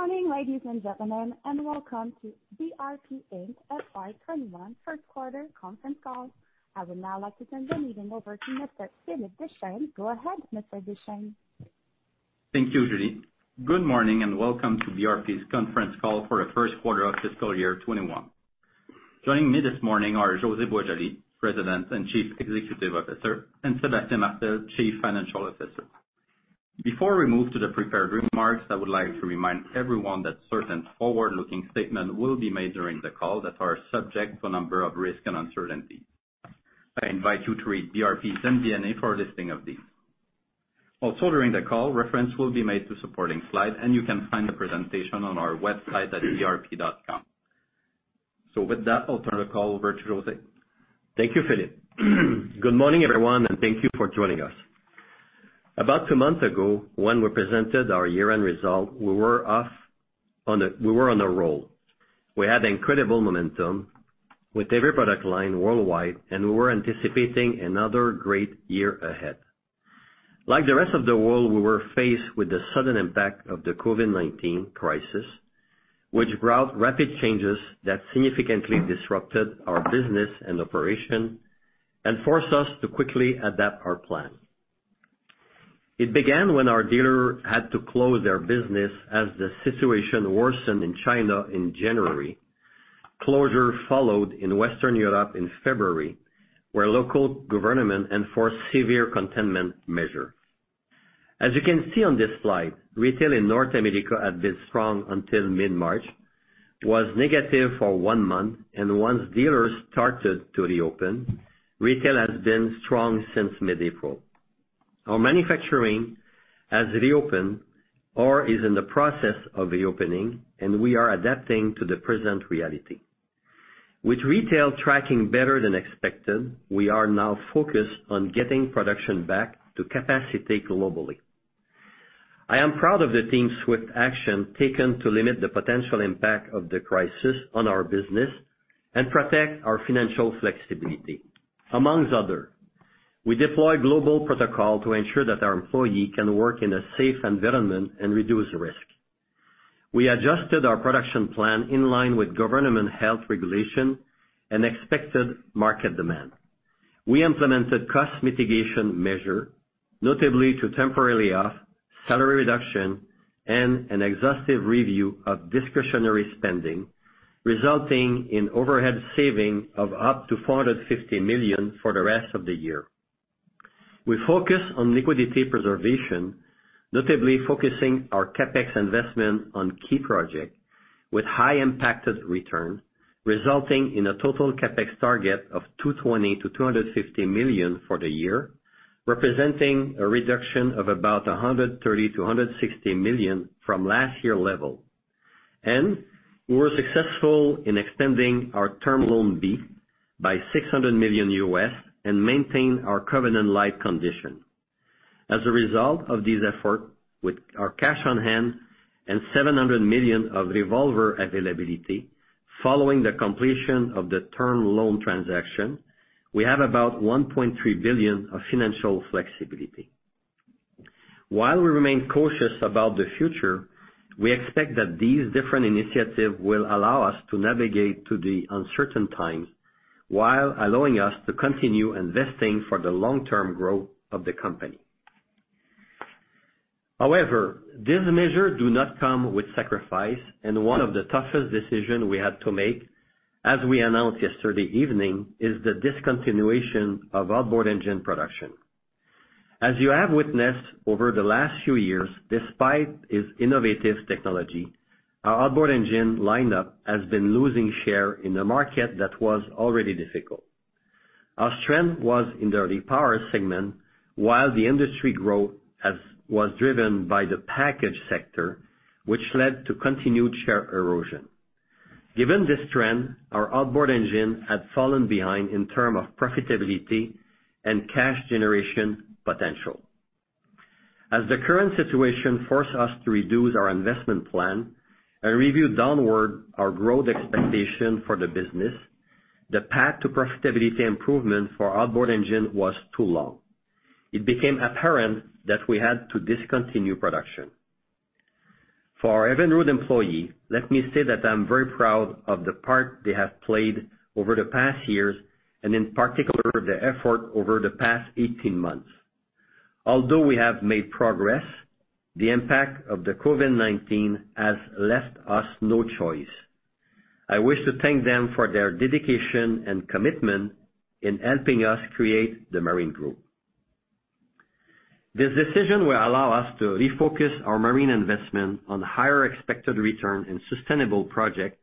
Good morning, ladies and gentlemen, welcome to BRP Inc.'s FY 2021 First Quarter Conference Call. I would now like to turn the meeting over to Mr. Philippe Deschênes. Go ahead, Mr. Deschênes. Thank you, Julie. Good morning, and welcome to BRP's conference call for the first quarter of fiscal year 2021. Joining me this morning are José Boisjoli, President and Chief Executive Officer, and Sébastien Martel, Chief Financial Officer. Before we move to the prepared remarks, I would like to remind everyone that certain forward-looking statements will be made during the call that are subject to a number of risks and uncertainties. I invite you to read BRP's MD&A for a listing of these. Also, during the call, reference will be made to supporting slides, and you can find the presentation on our website at brp.com. With that, I'll turn the call over to José. Thank you, Philippe. Good morning, everyone, and thank you for joining us. About two months ago, when we presented our year-end result, we were on a roll. We had incredible momentum with every product line worldwide, and we were anticipating another great year ahead. Like the rest of the world, we were faced with the sudden impact of the COVID-19 crisis, which brought rapid changes that significantly disrupted our business and operation and forced us to quickly adapt our plan. It began when our dealer had to close their business as the situation worsened in China in January. Closure followed in Western Europe in February, where local government enforced severe containment measures. As you can see on this slide, retail in North America had been strong until mid-March. It was negative for one month, and once dealers started to reopen, retail has been strong since mid-April. Our manufacturing has reopened or is in the process of reopening, and we are adapting to the present reality. With retail tracking better than expected, we are now focused on getting production back to capacity globally. I am proud of the team's swift action taken to limit the potential impact of the crisis on our business and protect our financial flexibility. Amongst others, we deployed global protocol to ensure that our employees can work in a safe environment and reduce risk. We adjusted our production plan in line with government health regulations and expected market demand. We implemented cost mitigation measure, notably to temporarily offset salary reduction and an exhaustive review of discretionary spending, resulting in overhead saving of up to 450 million for the rest of the year. We focus on liquidity preservation, notably focusing our CapEx investment on key projects with high impacted return, resulting in a total CapEx target of 220 million to 250 million for the year, representing a reduction of about 130 million to 160 million from last year's level. We were successful in extending our Term Loan B by $600 million and maintain our covenant-lite condition. As a result of this effort, with our cash on hand and 700 million of revolver availability following the completion of the Term Loan B transaction, we have about 1.3 billion of financial flexibility. While we remain cautious about the future, we expect that these different initiatives will allow us to navigate through the uncertain times while allowing us to continue investing for the long-term growth of the company. However, these measures do not come with sacrifice, and one of the toughest decisions we had to make, as we announced yesterday evening, is the discontinuation of outboard engine production. As you have witnessed over the last few years, despite its innovative technology, our outboard engine lineup has been losing share in a market that was already difficult. Our strength was in the repower segment, while the industry growth was driven by the package sector, which led to continued share erosion. Given this trend, our outboard engine had fallen behind in terms of profitability and cash generation potential. As the current situation forced us to reduce our investment plan and review downward our growth expectation for the business, the path to profitability improvement for outboard engine was too long. It became apparent that we had to discontinue production. For our Evinrude employee, let me say that I'm very proud of the part they have played over the past years, and in particular, their effort over the past 18 months. Although we have made progress, the impact of the COVID-19 has left us no choice. I wish to thank them for their dedication and commitment in helping us create the Marine Group. This decision will allow us to refocus our marine investment on higher expected return and sustainable projects,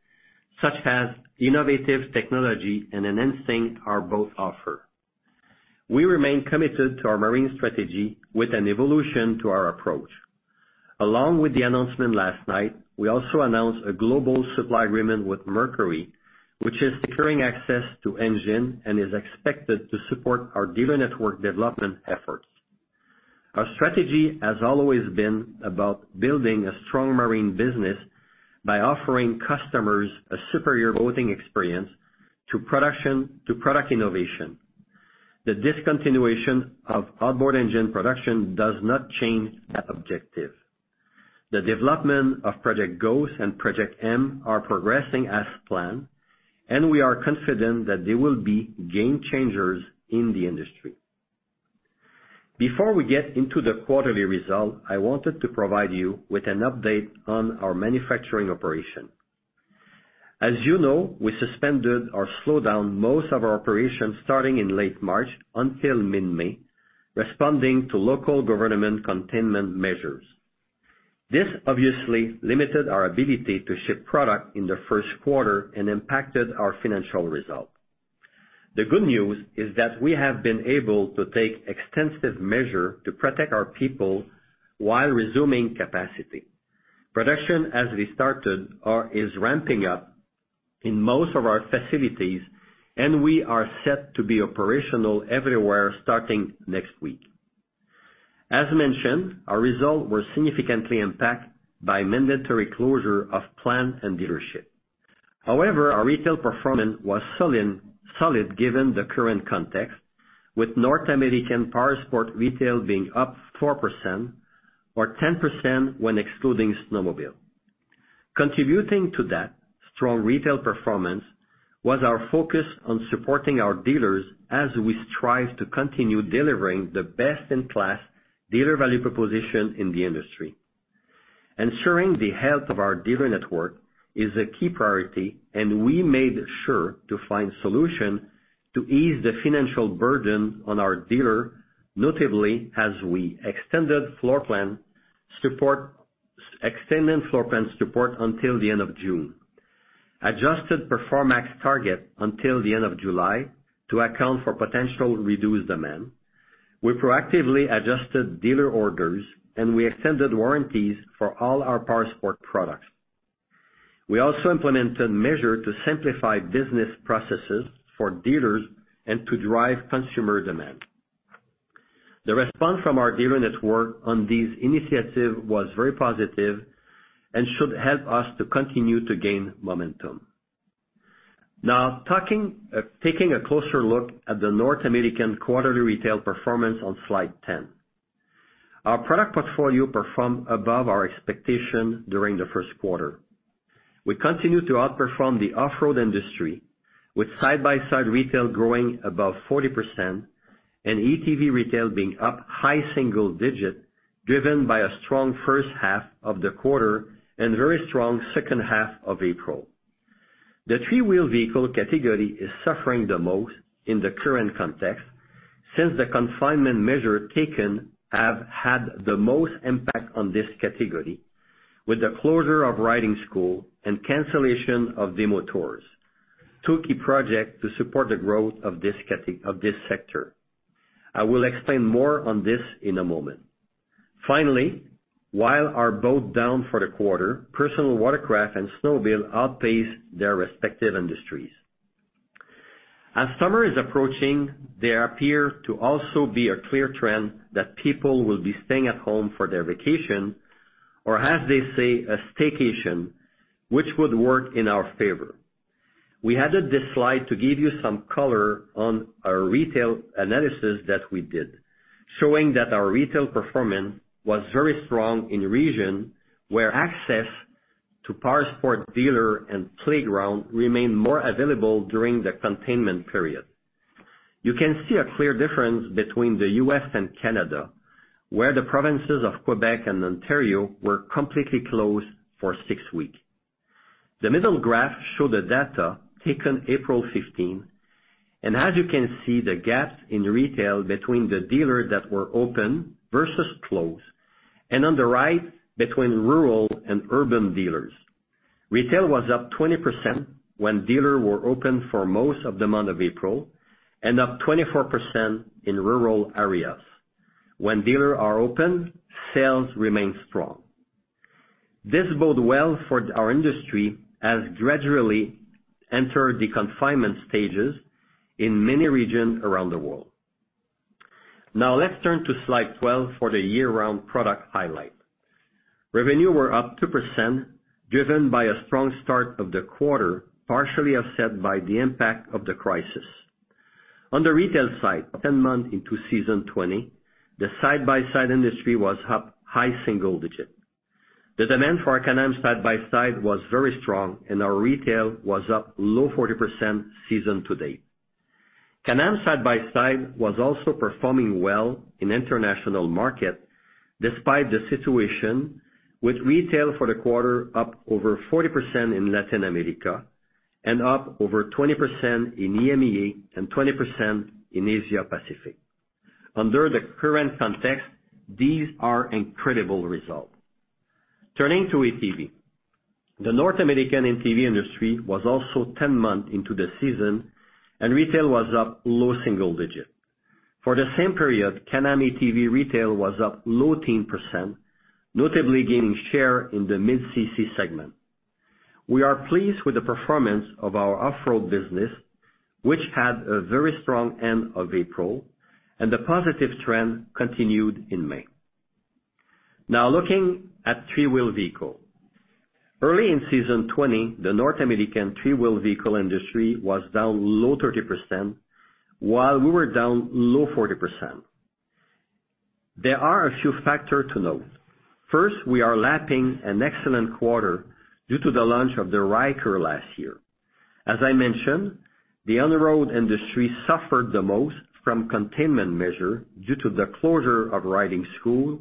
such as innovative technology and enhancing our boat offer. We remain committed to our marine strategy with an evolution to our approach. Along with the announcement last night, we also announced a global supply agreement with Mercury, which is securing access to engine and is expected to support our dealer network development efforts. Our strategy has always been about building a strong marine business by offering customers a superior boating experience through product innovation. The discontinuation of outboard engine production does not change that objective. The development of Project Ghost and Project M are progressing as planned, and we are confident that they will be game changers in the industry. Before we get into the quarterly result, I wanted to provide you with an update on our manufacturing operation. As you know, we suspended or slowed down most of our operations starting in late March until mid-May, responding to local government containment measures. This obviously limited our ability to ship product in the first quarter and impacted our financial result. The good news is that we have been able to take extensive measure to protect our people while resuming capacity. Production has restarted or is ramping up in most of our facilities and we are set to be operational everywhere starting next week. As mentioned, our result was significantly impacted by mandatory closure of plants and dealerships. However, our retail performance was solid given the current context, with North American Powersports retail being up 4% or 10% when excluding snowmobile. Contributing to that strong retail performance was our focus on supporting our dealers as we strive to continue delivering the best-in-class dealer value proposition in the industry. Ensuring the health of our dealer network is a key priority, and we made sure to find solutions to ease the financial burden on our dealers, notably as we extended floorplan support until the end of June, adjusted performance targets until the end of July to account for potential reduced demand. We proactively adjusted dealer orders, and we extended warranties for all our powersports products. We also implemented measures to simplify business processes for dealers and to drive consumer demand. The response from our dealer network on this initiative was very positive and should help us to continue to gain momentum. Taking a closer look at the North American quarterly retail performance on slide 10. Our product portfolio performed above our expectations during the first quarter. We continued to outperform the off-road industry, with side-by-side retail growing above 40% and ATV retail being up high single-digit, driven by a strong first half of the quarter and very strong second half of April. The three-wheel vehicle category is suffering the most in the current context, since the confinement measures taken have had the most impact on this category, with the closure of riding schools and cancellation of demo tours, two key projects to support the growth of this sector. I will explain more on this in a moment. Finally, while are both down for the quarter, personal watercraft and snowmobiles outpaced their respective industries. As summer is approaching, there appear to also be a clear trend that people will be staying at home for their vacation, or as they say, a staycation, which would work in our favor. We added this slide to give you some color on a retail analysis that we did, showing that our retail performance was very strong in regions where access to powersports dealer and playground remained more available during the containment period. You can see a clear difference between the U.S. and Canada, where the provinces of Quebec and Ontario were completely closed for six weeks. The middle graph show the data taken April 15, and as you can see, the gaps in retail between the dealers that were open versus closed, and on the right, between rural and urban dealers. Retail was up 20% when dealers were open for most of the month of April, and up 24% in rural areas. When dealers are open, sales remain strong. This bode well for our industry as gradually enter the confinement stages in many regions around the world. Let's turn to slide 12 for the year-round product highlight. Revenue were up 2%, driven by a strong start of the quarter, partially offset by the impact of the crisis. On the retail side, 10 months into season 2020, the side-by-side industry was up high single-digit. The demand for our Can-Am Side-by-Side was very strong, and our retail was up low 40% season to date. Can-Am Side-by-Side was also performing well in international market despite the situation with retail for the quarter up over 40% in Latin America and up over 20% in EMEA and 20% in Asia Pacific. Under the current context, these are incredible results. Turning to ATV. The North American ATV industry was also 10 months into the season, and retail was up low single-digit. For the same period, Can-Am ATV retail was up low teens, notably gaining share in the mid-cc segment. We are pleased with the performance of our off-road business, which had a very strong end of April, and the positive trend continued in May. Now looking at three-wheeled vehicle. Early in season 2020, the North American three-wheeled vehicle industry was down low 30%, while we were down low 40%. There are a few factors to note. First, we are lapping an excellent quarter due to the launch of the Ryker last year. As I mentioned, the on-road industry suffered the most from containment measure due to the closure of riding school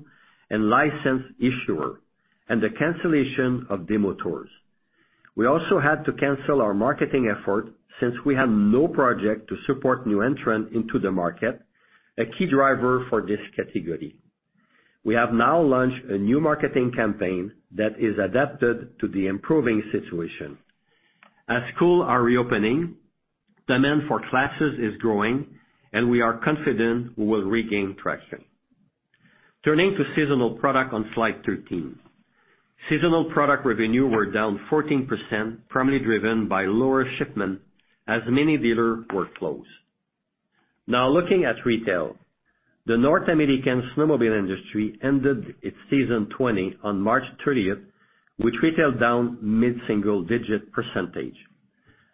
and license issuer and the cancellation of demo tours. We also had to cancel our marketing effort since we had no project to support new entrant into the market, a key driver for this category. We have now launched a new marketing campaign that is adapted to the improving situation. As schools are reopening, demand for classes is growing, and we are confident we will regain traction. Turning to seasonal product on slide 13. Seasonal product revenue were down 14%, primarily driven by lower shipment as many dealers were closed. Looking at retail. The North American snowmobile industry ended its season 2020 on March 30th, with retail down mid-single-digit percentage.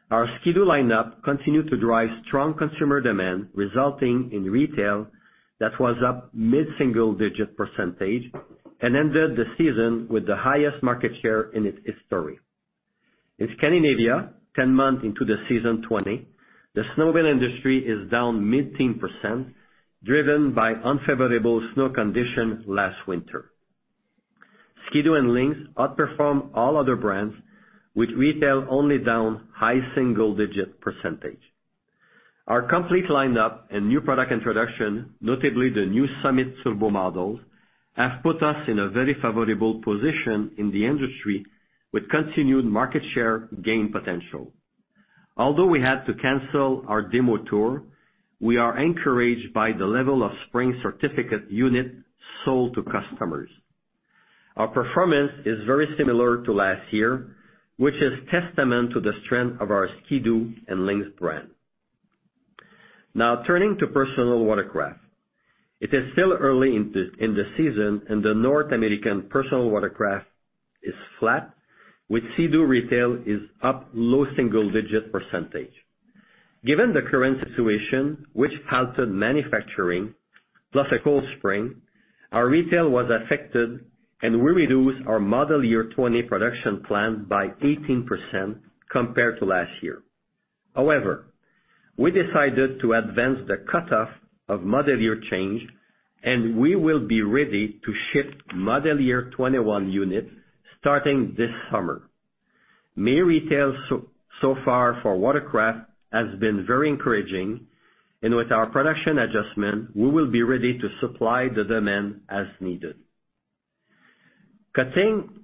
Our Ski-Doo lineup continued to drive strong consumer demand, resulting in retail that was up mid-single-digit percentage and ended the season with the highest market share in its history. In Scandinavia, 10 months into the season 2020, the snowmobile industry is down mid-teen percentage, driven by unfavorable snow condition last winter. Ski-Doo and Lynx outperform all other brands, with retail only down high-single-digit percentage. Our complete lineup and new product introduction, notably the new Summit Turbo models, have put us in a very favorable position in the industry with continued market share gain potential. Although we had to cancel our demo tour, we are encouraged by the level of spring certificate unit sold to customers. Our performance is very similar to last year, which is testament to the strength of our Ski-Doo and Lynx brand. Turning to personal watercraft. It is still early in the season, and the North American personal watercraft is flat, with Sea-Doo retail is up low single digit percentage. Given the current situation, which halted manufacturing plus a cold spring, our retail was affected and we reduced our model year 20 production plan by 18% compared to last year. We decided to advance the cutoff of model year change, and we will be ready to ship model year 21 units starting this summer. May retail so far for watercraft has been very encouraging, and with our production adjustment, we will be ready to supply the demand as needed.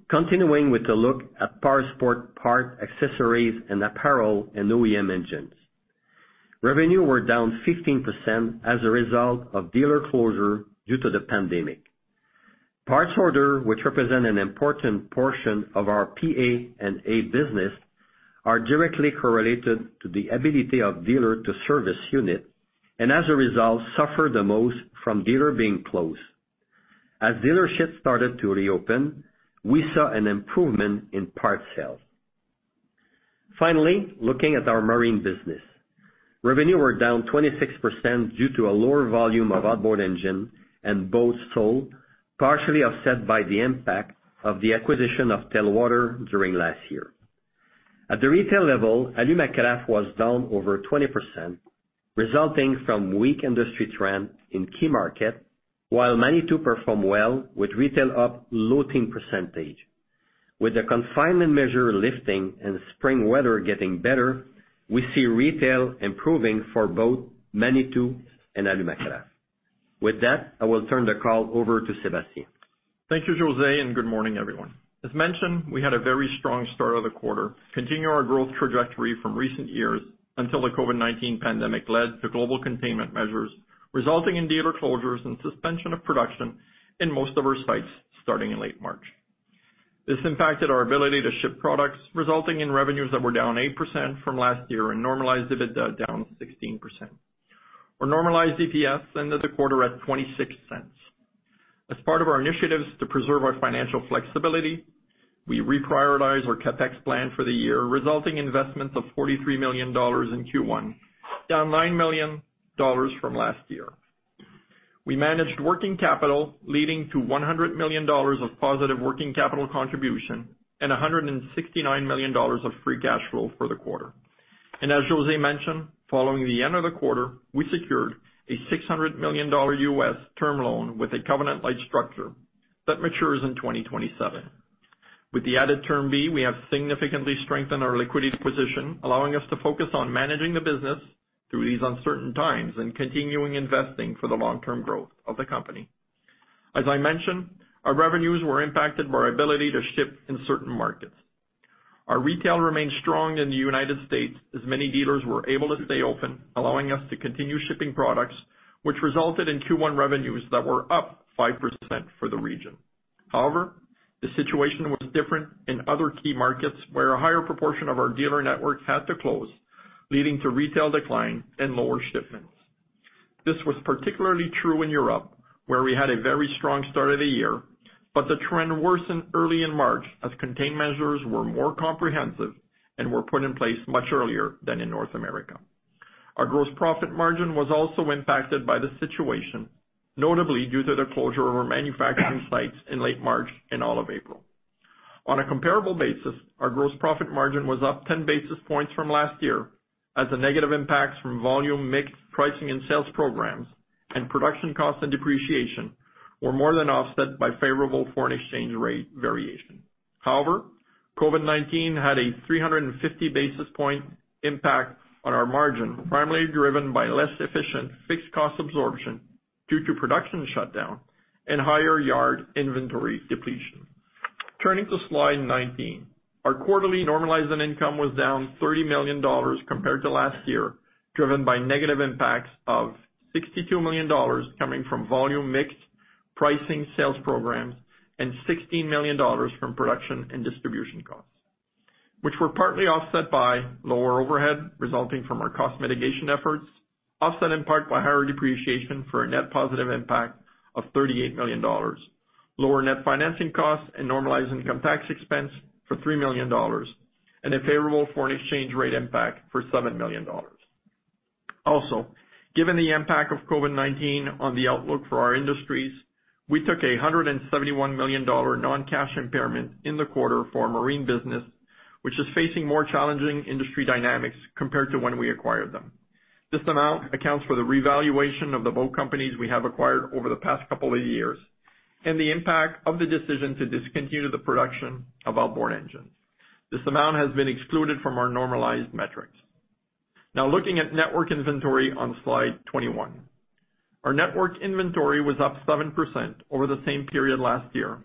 Continuing with a look at Powersport parts, accessories, and apparel and OEM engines. Revenue were down 15% as a result of dealer closure due to the pandemic. Parts order, which represent an important portion of our PA&A business, are directly correlated to the ability of dealer to service unit and, as a result, suffer the most from dealer being closed. As dealerships started to reopen, we saw an improvement in parts sales. Finally, looking at our marine business. Revenue were down 26% due to a lower volume of outboard engine and boats sold, partially offset by the impact of the acquisition of Telwater during last year. At the retail level, Alumacraft was down over 20%, resulting from weak industry trend in key market, while Manitou performed well with retail up low-teen percentage. With the confinement measure lifting and spring weather getting better, we see retail improving for both Manitou and Alumacraft. With that, I will turn the call over to Sébastien. Thank you, José, and good morning, everyone. As mentioned, we had a very strong start of the quarter, continue our growth trajectory from recent years until the COVID-19 pandemic led to global containment measures, resulting in dealer closures and suspension of production in most of our sites starting in late March. This impacted our ability to ship products, resulting in revenues that were down 8% from last year and normalized EBITDA down 16%. Our normalized EPS ended the quarter at 0.26. As part of our initiatives to preserve our financial flexibility, we reprioritized our CapEx plan for the year, resulting in investments of 43 million dollars in Q1, down 9 million dollars from last year. We managed working capital leading to 100 million dollars of positive working capital contribution and 169 million dollars of Free Cash Flow for the quarter. As José mentioned, following the end of the quarter, we secured a $600 million U.S. Term Loan B with a covenant light structure that matures in 2027. With the added Term Loan B, we have significantly strengthened our liquidity position, allowing us to focus on managing the business through these uncertain times and continuing investing for the long-term growth of the company. As I mentioned, our revenues were impacted by our ability to ship in certain markets. Our retail remained strong in the United States as many dealers were able to stay open, allowing us to continue shipping products, which resulted in Q1 revenues that were up 5% for the region. The situation was different in other key markets where a higher proportion of our dealer network had to close, leading to retail decline and lower shipments. This was particularly true in Europe, where we had a very strong start of the year, the trend worsened early in March as containment measures were more comprehensive and were put in place much earlier than in North America. Our gross profit margin was also impacted by the situation, notably due to the closure of our manufacturing sites in late March and all of April. On a comparable basis, our gross profit margin was up 10 basis points from last year, as the negative impacts from volume mix pricing and sales programs and production costs and depreciation were more than offset by favorable foreign exchange rate variation. However, COVID-19 had a 350 basis point impact on our margin, primarily driven by less efficient fixed cost absorption due to production shutdown and higher yard inventory depletion. Turning to slide 19. Our quarterly normalized income was down 30 million dollars compared to last year, driven by negative impacts of 62 million dollars coming from volume mix pricing sales programs and 16 million dollars from production and distribution costs, which were partly offset by lower overhead resulting from our cost mitigation efforts, offset in part by higher depreciation for a net positive impact of 38 million dollars, lower net financing costs and normalized income tax expense for 3 million dollars and a favorable foreign exchange rate impact for 7 million dollars. Given the impact of COVID-19 on the outlook for our industries, we took 171 million dollar non-cash impairment in the quarter for our Marine business, which is facing more challenging industry dynamics compared to when we acquired them. This amount accounts for the revaluation of the boat companies we have acquired over the past couple of years and the impact of the decision to discontinue the production of outboard engines. This amount has been excluded from our normalized metrics. Looking at network inventory on slide 21. Our network inventory was up 7% over the same period last year.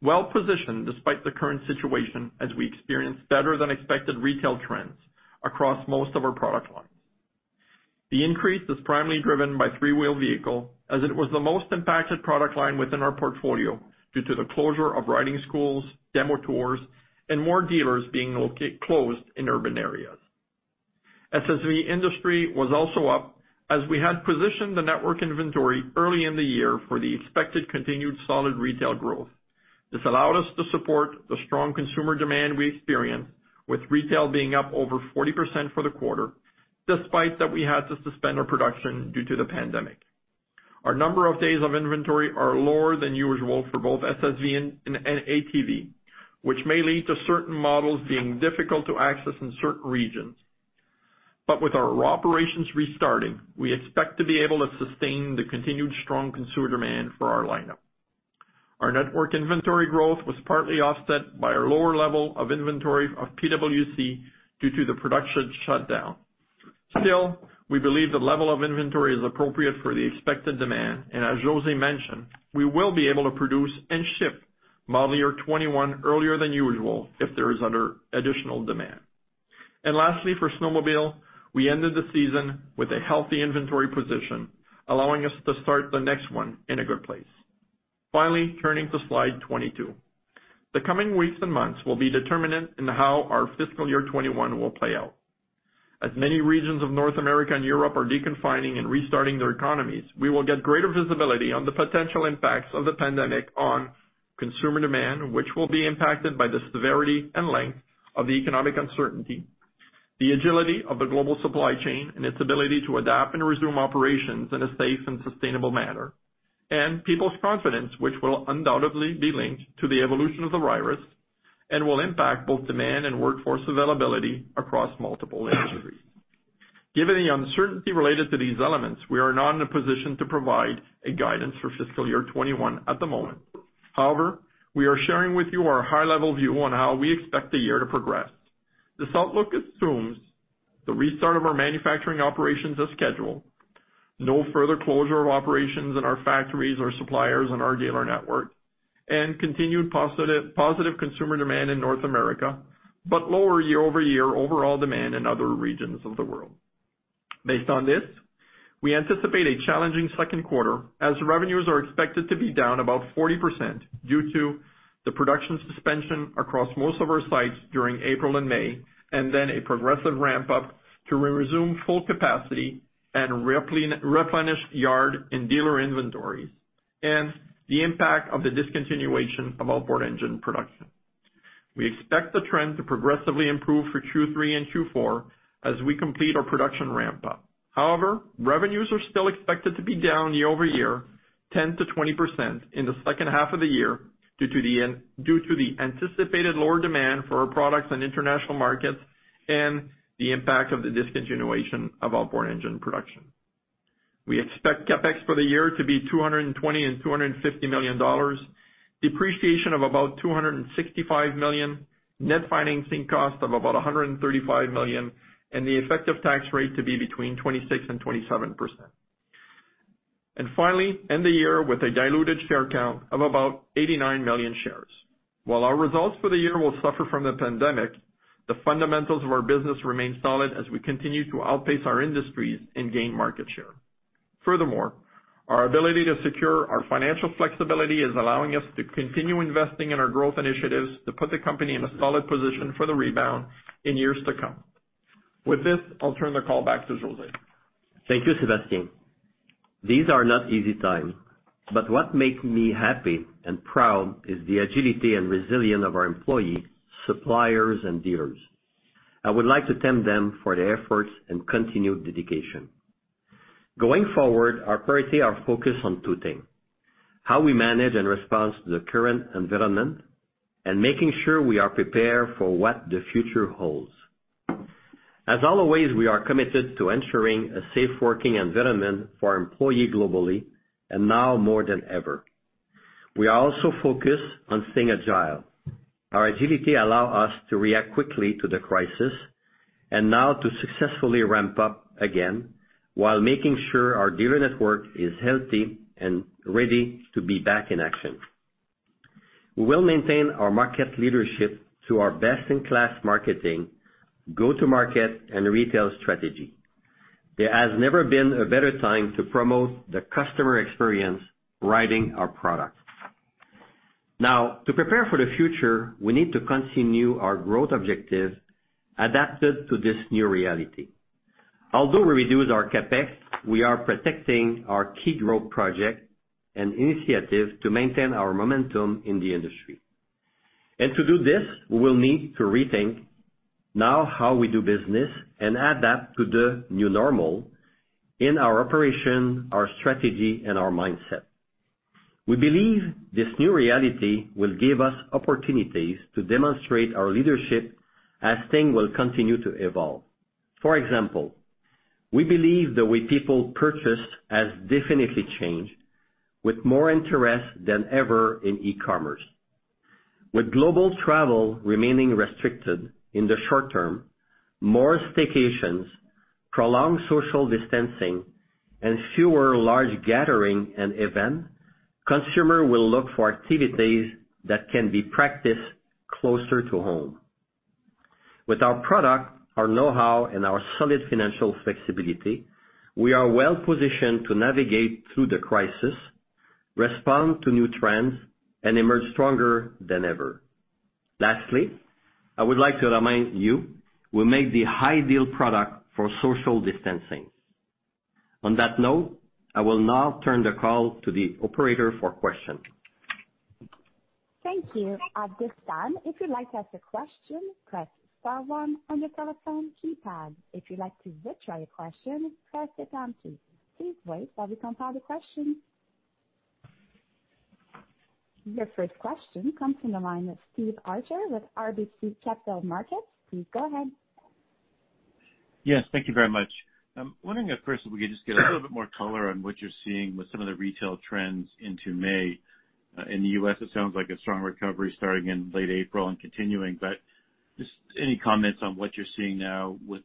Well-positioned despite the current situation as we experienced better-than-expected retail trends across most of our product lines. The increase is primarily driven by three-wheel vehicle as it was the most impacted product line within our portfolio due to the closure of riding schools, demo tours, and more dealers being closed in urban areas. SSV industry was also up as we had positioned the network inventory early in the year for the expected continued solid retail growth. This allowed us to support the strong consumer demand we experienced, with retail being up over 40% for the quarter, despite that we had to suspend our production due to the pandemic. Our number of days of inventory are lower than usual for both SSV and ATV, which may lead to certain models being difficult to access in certain regions. With our operations restarting, we expect to be able to sustain the continued strong consumer demand for our lineup. Our network inventory growth was partly offset by a lower level of inventory of PWC due to the production shutdown. Still, we believe the level of inventory is appropriate for the expected demand, and as José mentioned, we will be able to produce and ship model year 2021 earlier than usual if there is additional demand. Lastly, for snowmobile, we ended the season with a healthy inventory position, allowing us to start the next one in a good place. Turning to slide 22. The coming weeks and months will be determinant in how our fiscal year 2021 will play out. As many regions of North America and Europe are deconfining and restarting their economies, we will get greater visibility on the potential impacts of the pandemic on consumer demand, which will be impacted by the severity and length of the economic uncertainty, the agility of the global supply chain and its ability to adapt and resume operations in a safe and sustainable manner, and people's confidence, which will undoubtedly be linked to the evolution of the virus and will impact both demand and workforce availability across multiple industries. Given the uncertainty related to these elements, we are not in a position to provide a guidance for fiscal year 2021 at the moment. We are sharing with you our high-level view on how we expect the year to progress. This outlook assumes the restart of our manufacturing operations as scheduled, no further closure of operations in our factories or suppliers in our dealer network, and continued positive consumer demand in North America, but lower year-over-year overall demand in other regions of the world. Based on this, we anticipate a challenging second quarter as revenues are expected to be down about 40% due to the production suspension across most of our sites during April and May, and then a progressive ramp-up to resume full capacity and replenish yard and dealer inventories, and the impact of the discontinuation of outboard engine production. We expect the trend to progressively improve for Q3 and Q4 as we complete our production ramp-up. However, revenues are still expected to be down year-over-year 10% to 20% in the second half of the year due to the anticipated lower demand for our products in international markets and the impact of the discontinuation of outboard engine production. We expect CapEx for the year to be 220 million to 250 million dollars, depreciation of about 265 million, net financing cost of about 135 million, and the effective tax rate to be between 26% and 27%. Finally, end the year with a diluted share count of about 89 million shares. While our results for the year will suffer from the pandemic, the fundamentals of our business remain solid as we continue to outpace our industries and gain market share. Furthermore, our ability to secure our financial flexibility is allowing us to continue investing in our growth initiatives to put the company in a solid position for the rebound in years to come. With this, I'll turn the call back to José. Thank you, Sébastien. These are not easy times, but what makes me happy and proud is the agility and resilience of our employees, suppliers, and dealers. I would like to thank them for their efforts and continued dedication. Going forward, our priority are focused on two things, how we manage in response to the current environment, and making sure we are prepared for what the future holds. As always, we are committed to ensuring a safe working environment for our employees globally, and now more than ever. We are also focused on staying agile. Our agility allow us to react quickly to the crisis, and now to successfully ramp up again, while making sure our dealer network is healthy and ready to be back in action. We will maintain our market leadership through our best-in-class marketing, go-to-market, and retail strategy. There has never been a better time to promote the customer experience riding our products. Now, to prepare for the future, we need to continue our growth objective adapted to this new reality. Although we reduced our CapEx, we are protecting our key growth project and initiative to maintain our momentum in the industry. To do this, we will need to rethink now how we do business and adapt to the new normal in our operation, our strategy, and our mindset. We believe this new reality will give us opportunities to demonstrate our leadership as things will continue to evolve. For example, we believe the way people purchase has definitely changed, with more interest than ever in e-commerce. With global travel remaining restricted in the short term, more staycations, prolonged social distancing, and fewer large gathering and event, consumer will look for activities that can be practiced closer to home. With our product, our knowhow, and our solid financial flexibility, we are well-positioned to navigate through the crisis, respond to new trends, and emerge stronger than ever. Lastly, I would like to remind you, we make the ideal product for social distancing. On that note, I will now turn the call to the operator for question. Thank you. At this time, if you'd like to ask a question, press star one on your telephone keypad. If you'd like to withdraw your question, press the pound key. Please wait while we compile the questions. Your first question comes from the line of Steve Arthur with RBC Capital Markets. Please go ahead. Yes. Thank you very much. I'm wondering if first we could just, a little bit more color on what you're seeing with some of the retail trends into May. In the U.S., it sounds like a strong recovery starting in late April and continuing, but just any comments on what you're seeing now with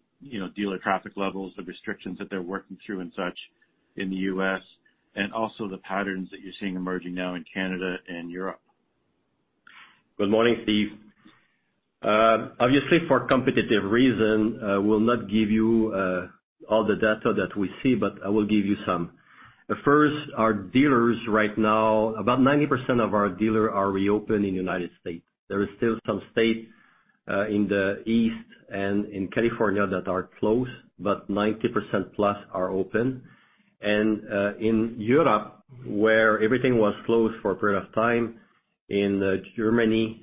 dealer traffic levels, the restrictions that they're working through and such in the U.S., and also the patterns that you're seeing emerging now in Canada and Europe? Good morning, Steve. Obviously, for competitive reasons, I will not give you all the data that we see, I will give you some. First, our dealers right now, about 90% of our dealers are reopened in the U.S. There are still some states, in the East and in California that are closed, 90%-plus are open. In Europe, where everything was closed for a period of time in Germany,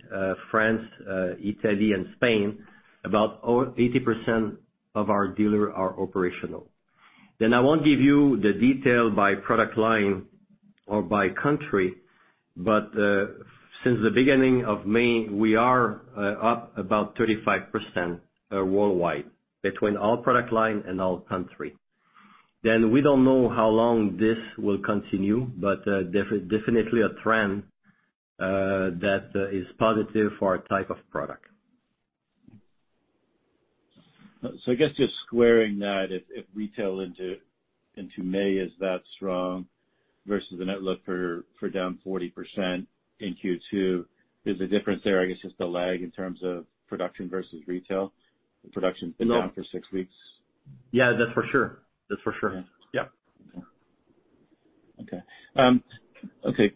France, Italy, and Spain, about 80% of our dealers are operational. I won't give you the details by product line or by country, since the beginning of May, we are up about 35%, worldwide between all product lines and all countries. We don't know how long this will continue, definitely a trend that is positive for our type of product. I guess just squaring that, if retail into May is that strong versus the net look for down 40% in Q2, is the difference there, I guess, just a lag in terms of production versus retail? The production's been down for six weeks. Yeah, that's for sure. That's for sure. Yeah. Okay. Okay,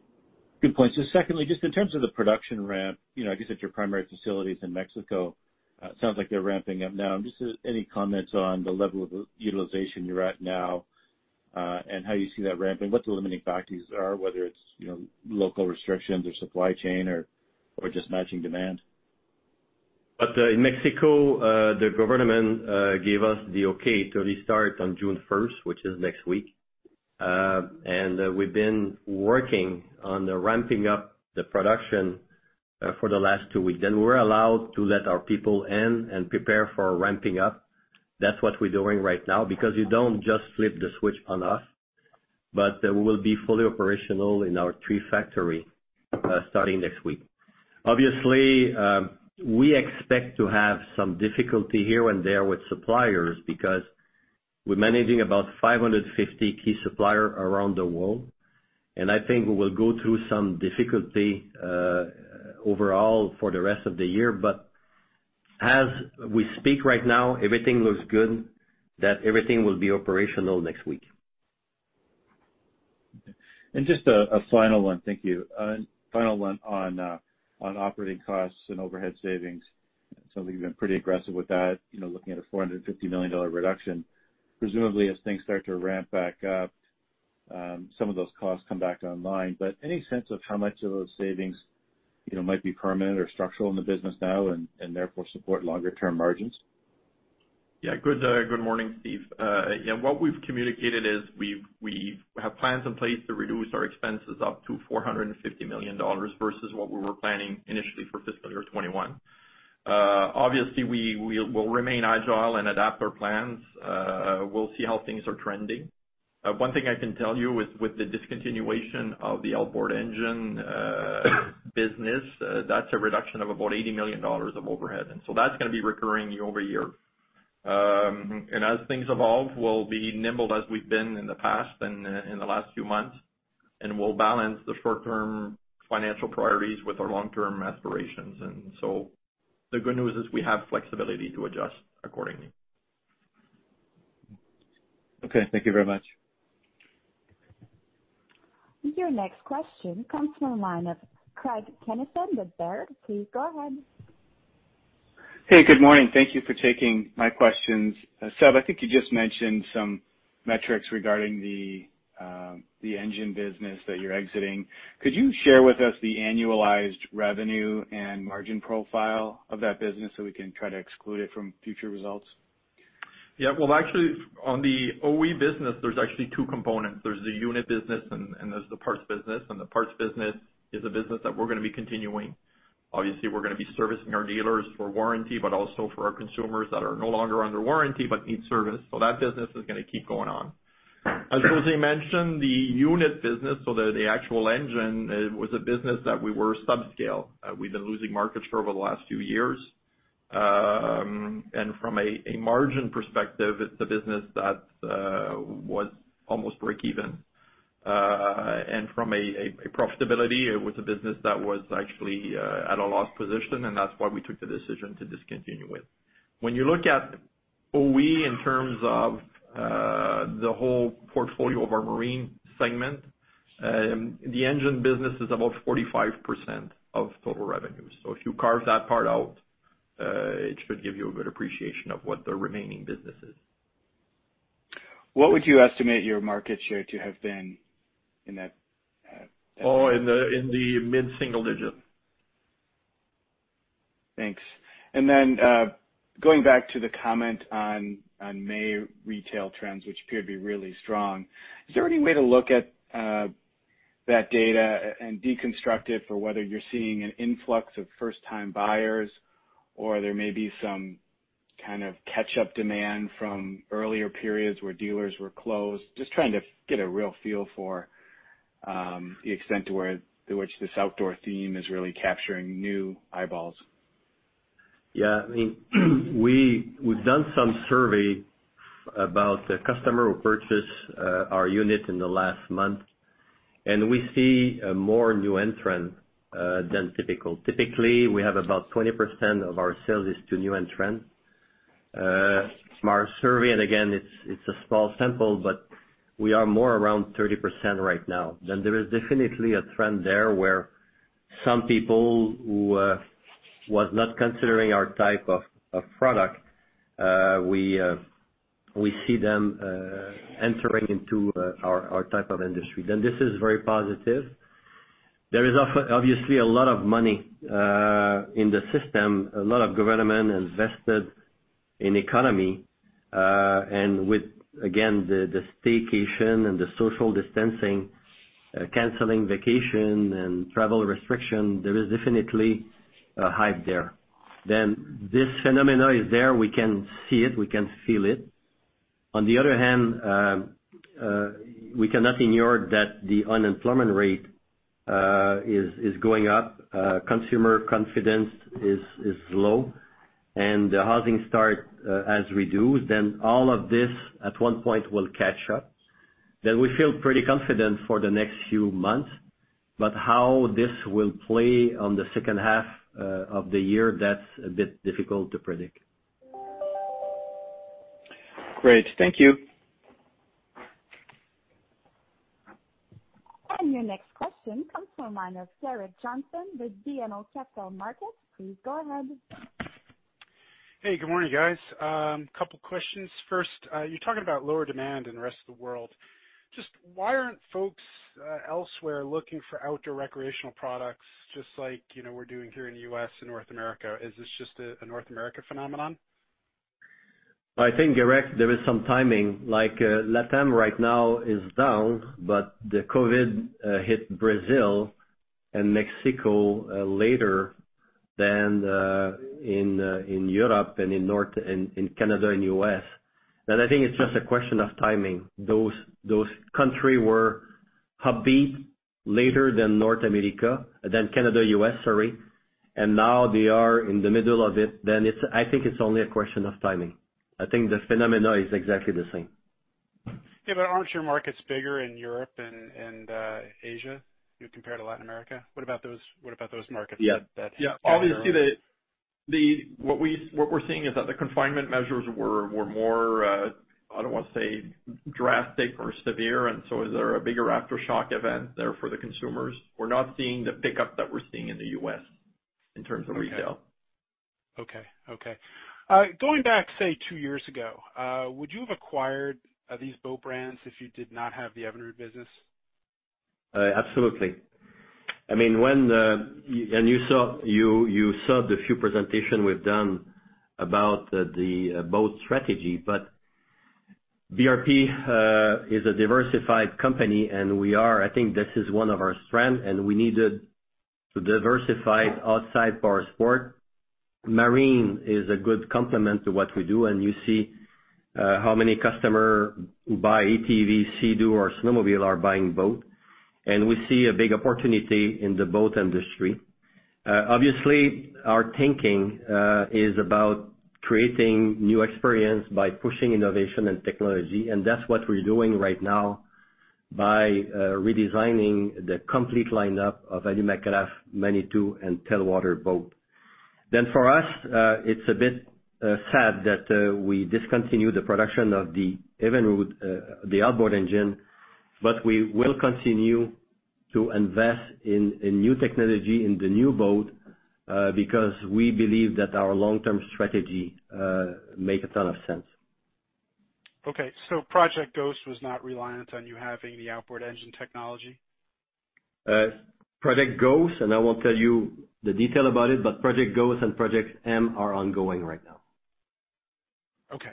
good point. Secondly, just in terms of the production ramp, I guess at your primary facilities in Mexico, it sounds like they're ramping up now. Just any comments on the level of utilization you're at now, and how you see that ramping, what the limiting factors are, whether it's local restrictions or supply chain or just matching demand? In Mexico, the government gave us the okay to restart on June 1st, which is next week and we've been working on the ramping up the production for the last two weeks. We were allowed to let our people in and prepare for ramping up. That's what we're doing right now, because you don't just flip the switch on us. We will be fully operational in our three factory, starting next week. Obviously, we expect to have some difficulty here and there with suppliers because we're managing about 550 key supplier around the world, and I think we will go through some difficulty overall for the rest of the year. As we speak right now, everything looks good, that everything will be operational next week. Okay. Just a final one. Thank you. Final one on operating costs and overhead savings. You've been pretty aggressive with that, looking at a 450 million dollar reduction, presumably as things start to ramp back up, some of those costs come back online, but any sense of how much of those savings might be permanent or structural in the business now and therefore support longer term margins? Good morning, Steve. What we've communicated is we have plans in place to reduce our expenses up to 450 million dollars versus what we were planning initially for fiscal year 2021. Obviously, we'll remain agile and adapt our plans. We'll see how things are trending. One thing I can tell you with the discontinuation of the outboard engine business, that's a reduction of about 80 million dollars of overhead, that's going to be recurring year-over-year. As things evolve, we'll be nimble as we've been in the past and in the last few months, we'll balance the short-term financial priorities with our long-term aspirations. The good news is we have flexibility to adjust accordingly. Okay. Thank you very much. Your next question comes from the line of Craig Kennison. Please go ahead. Hey, good morning. Thank you for taking my questions. Seb, I think you just mentioned some metrics regarding the engine business that you're exiting. Could you share with us the annualized revenue and margin profile of that business so we can try to exclude it from future results? Yeah. Well, actually, on the OE business, there's actually two components. There's the unit business and there's the parts business. The parts business is a business that we're going to be continuing. Obviously, we're going to be servicing our dealers for warranty, but also for our consumers that are no longer under warranty but need service. That business is going to keep going on. As José mentioned, the unit business, so the actual engine, was a business that we were subscale. We've been losing market share over the last few years. From a margin perspective, it's a business that was almost breakeven. From a profitability, it was a business that was actually at a loss position. That's why we took the decision to discontinue it. When you look at OE in terms of the whole portfolio of our marine segment, the engine business is about 45% of total revenue. If you carve that part out, it should give you a good appreciation of what the remaining business is. What would you estimate your market share to have been in that? In the mid-single digit. Thanks. Going back to the comment on May retail trends, which appear to be really strong, is there any way to look at that data and deconstruct it for whether you're seeing an influx of first-time buyers or there may be some kind of catch-up demand from earlier periods where dealers were closed? Just trying to get a real feel for the extent to which this outdoor theme is really capturing new eyeballs. Yeah. We've done some survey about the customer who purchased our unit in the last month, and we see more new entrants than typical. Typically, we have about 20% of our sales is to new entrants. From our survey, and again, it's a small sample, but we are more around 30% right now. There is definitely a trend there where some people who was not considering our type of product, we see them entering into our type of industry. This is very positive. There is obviously a lot of money in the system, a lot of government invested in economy, and with, again, the staycation and the social distancing, canceling vacation and travel restriction, there is definitely a hype there. This phenomena is there. We can see it. We can feel it. On the other hand, we cannot ignore that the unemployment rate is going up. Consumer confidence is low and the housing start as we do, then all of this at one point will catch up. We feel pretty confident for the next few months, but how this will play on the second half of the year, that's a bit difficult to predict. Great. Thank you. Your next question comes from the line of Gerrick Johnson with BMO Capital Markets. Please go ahead. Hey, good morning, guys. Couple questions. First, you're talking about lower demand in the rest of the world. Just why aren't folks elsewhere looking for outdoor recreational products just like we're doing here in the U.S. and North America? Is this just a North America phenomenon? I think, Gerrick, there is some timing. Like LATAM right now is down. The COVID hit Brazil and Mexico later than in Europe and in Canada and U.S. I think it's just a question of timing. Those country were upbeat later than North America, than Canada, U.S., sorry, and now they are in the middle of it. I think it's only a question of timing. I think the phenomena is exactly the same. Yeah, aren't your markets bigger in Europe and Asia compared to Latin America? What about those markets? Yeah. Obviously, what we're seeing is that the confinement measures were more, I don't want to say drastic or severe, and so is there a bigger aftershock event there for the consumers? We're not seeing the pickup that we're seeing in the U.S. in terms of retail. Okay. Going back, say, two years ago, would you have acquired these boat brands if you did not have the Evinrude business? Absolutely. You saw the few presentation we've done about the boat strategy. BRP is a diversified company, and I think this is one of our strength. We needed to diversify outside powersport. Marine is a good complement to what we do, and you see how many customer who buy ATV, Sea-Doo, or snowmobile are buying boat. We see a big opportunity in the boat industry. Obviously, our thinking is about creating new experience by pushing innovation and technology. That's what we're doing right now by redesigning the complete lineup of Alumacraft, Manitou, and Telwater Boat. For us, it's a bit sad that we discontinued the production of the Evinrude, the outboard engine. We will continue to invest in new technology in the new boat, because we believe that our long-term strategy make a ton of sense. Okay. Project Ghost was not reliant on you having the outboard engine technology? Project Ghost, and I won't tell you the detail about it, but Project Ghost and Project M are ongoing right now. Okay.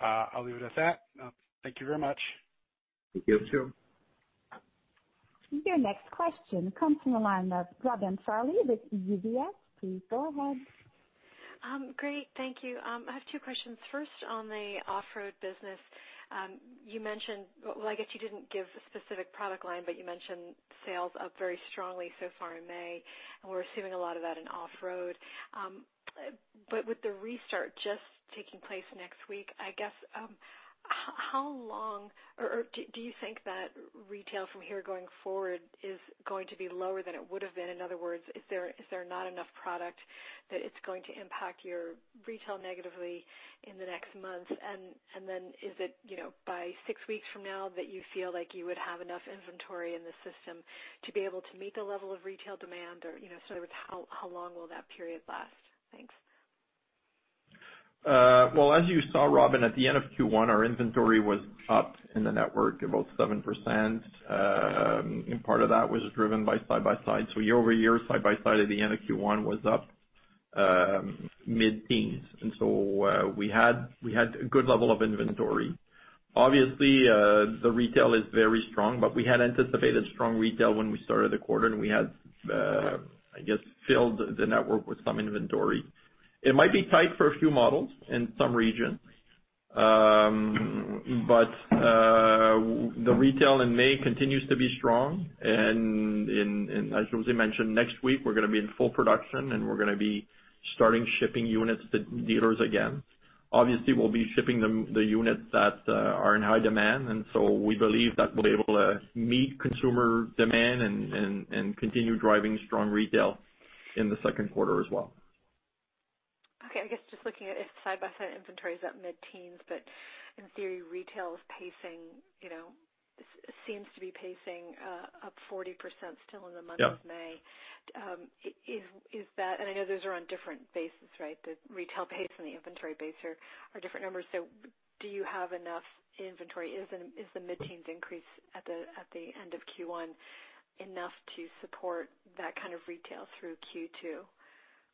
I'll leave it at that. Thank you very much. Thank you, too. Your next question comes from the line of Robin Farley with UBS. Please go ahead. Great. Thank you. I have two questions. First, on the off-road business. You mentioned, well, I guess you didn't give a specific product line but you mentioned sales up very strongly so far in May, and we're assuming a lot of that in off-road. With the restart just taking place next week, I guess, do you think that retail from here going forward is going to be lower than it would have been? In other words, is there not enough product that it's going to impact your retail negatively in the next months? Is it by six weeks from now that you feel like you would have enough inventory in the system to be able to meet the level of retail demand? So how long will that period last? Thanks. Well, as you saw, Robin, at the end of Q1, our inventory was up in the network about 7%. Part of that was driven by side-by-sides. Year-over-year, side-by-side at the end of Q1 was up mid-teens. We had a good level of inventory. Obviously, the retail is very strong, we had anticipated strong retail when we started the quarter, and we had, I guess, filled the network with some inventory. It might be tight for a few models in some regions. The retail in May continues to be strong, and as José mentioned, next week we're going to be in full production, and we're going to be starting shipping units to dealers again. Obviously, we'll be shipping the units that are in high demand, and so we believe that we'll be able to meet consumer demand and continue driving strong retail in the second quarter as well. Okay. I guess just looking at if side-by-side inventory is at mid-teens, in theory, retail seems to be pacing up 40% still in the month of May. Yeah. I know those are on different bases, right? The retail pace and the inventory base are different numbers. Do you have enough inventory? Is the mid-teens increase at the end of Q1 enough to support that kind of retail through Q2?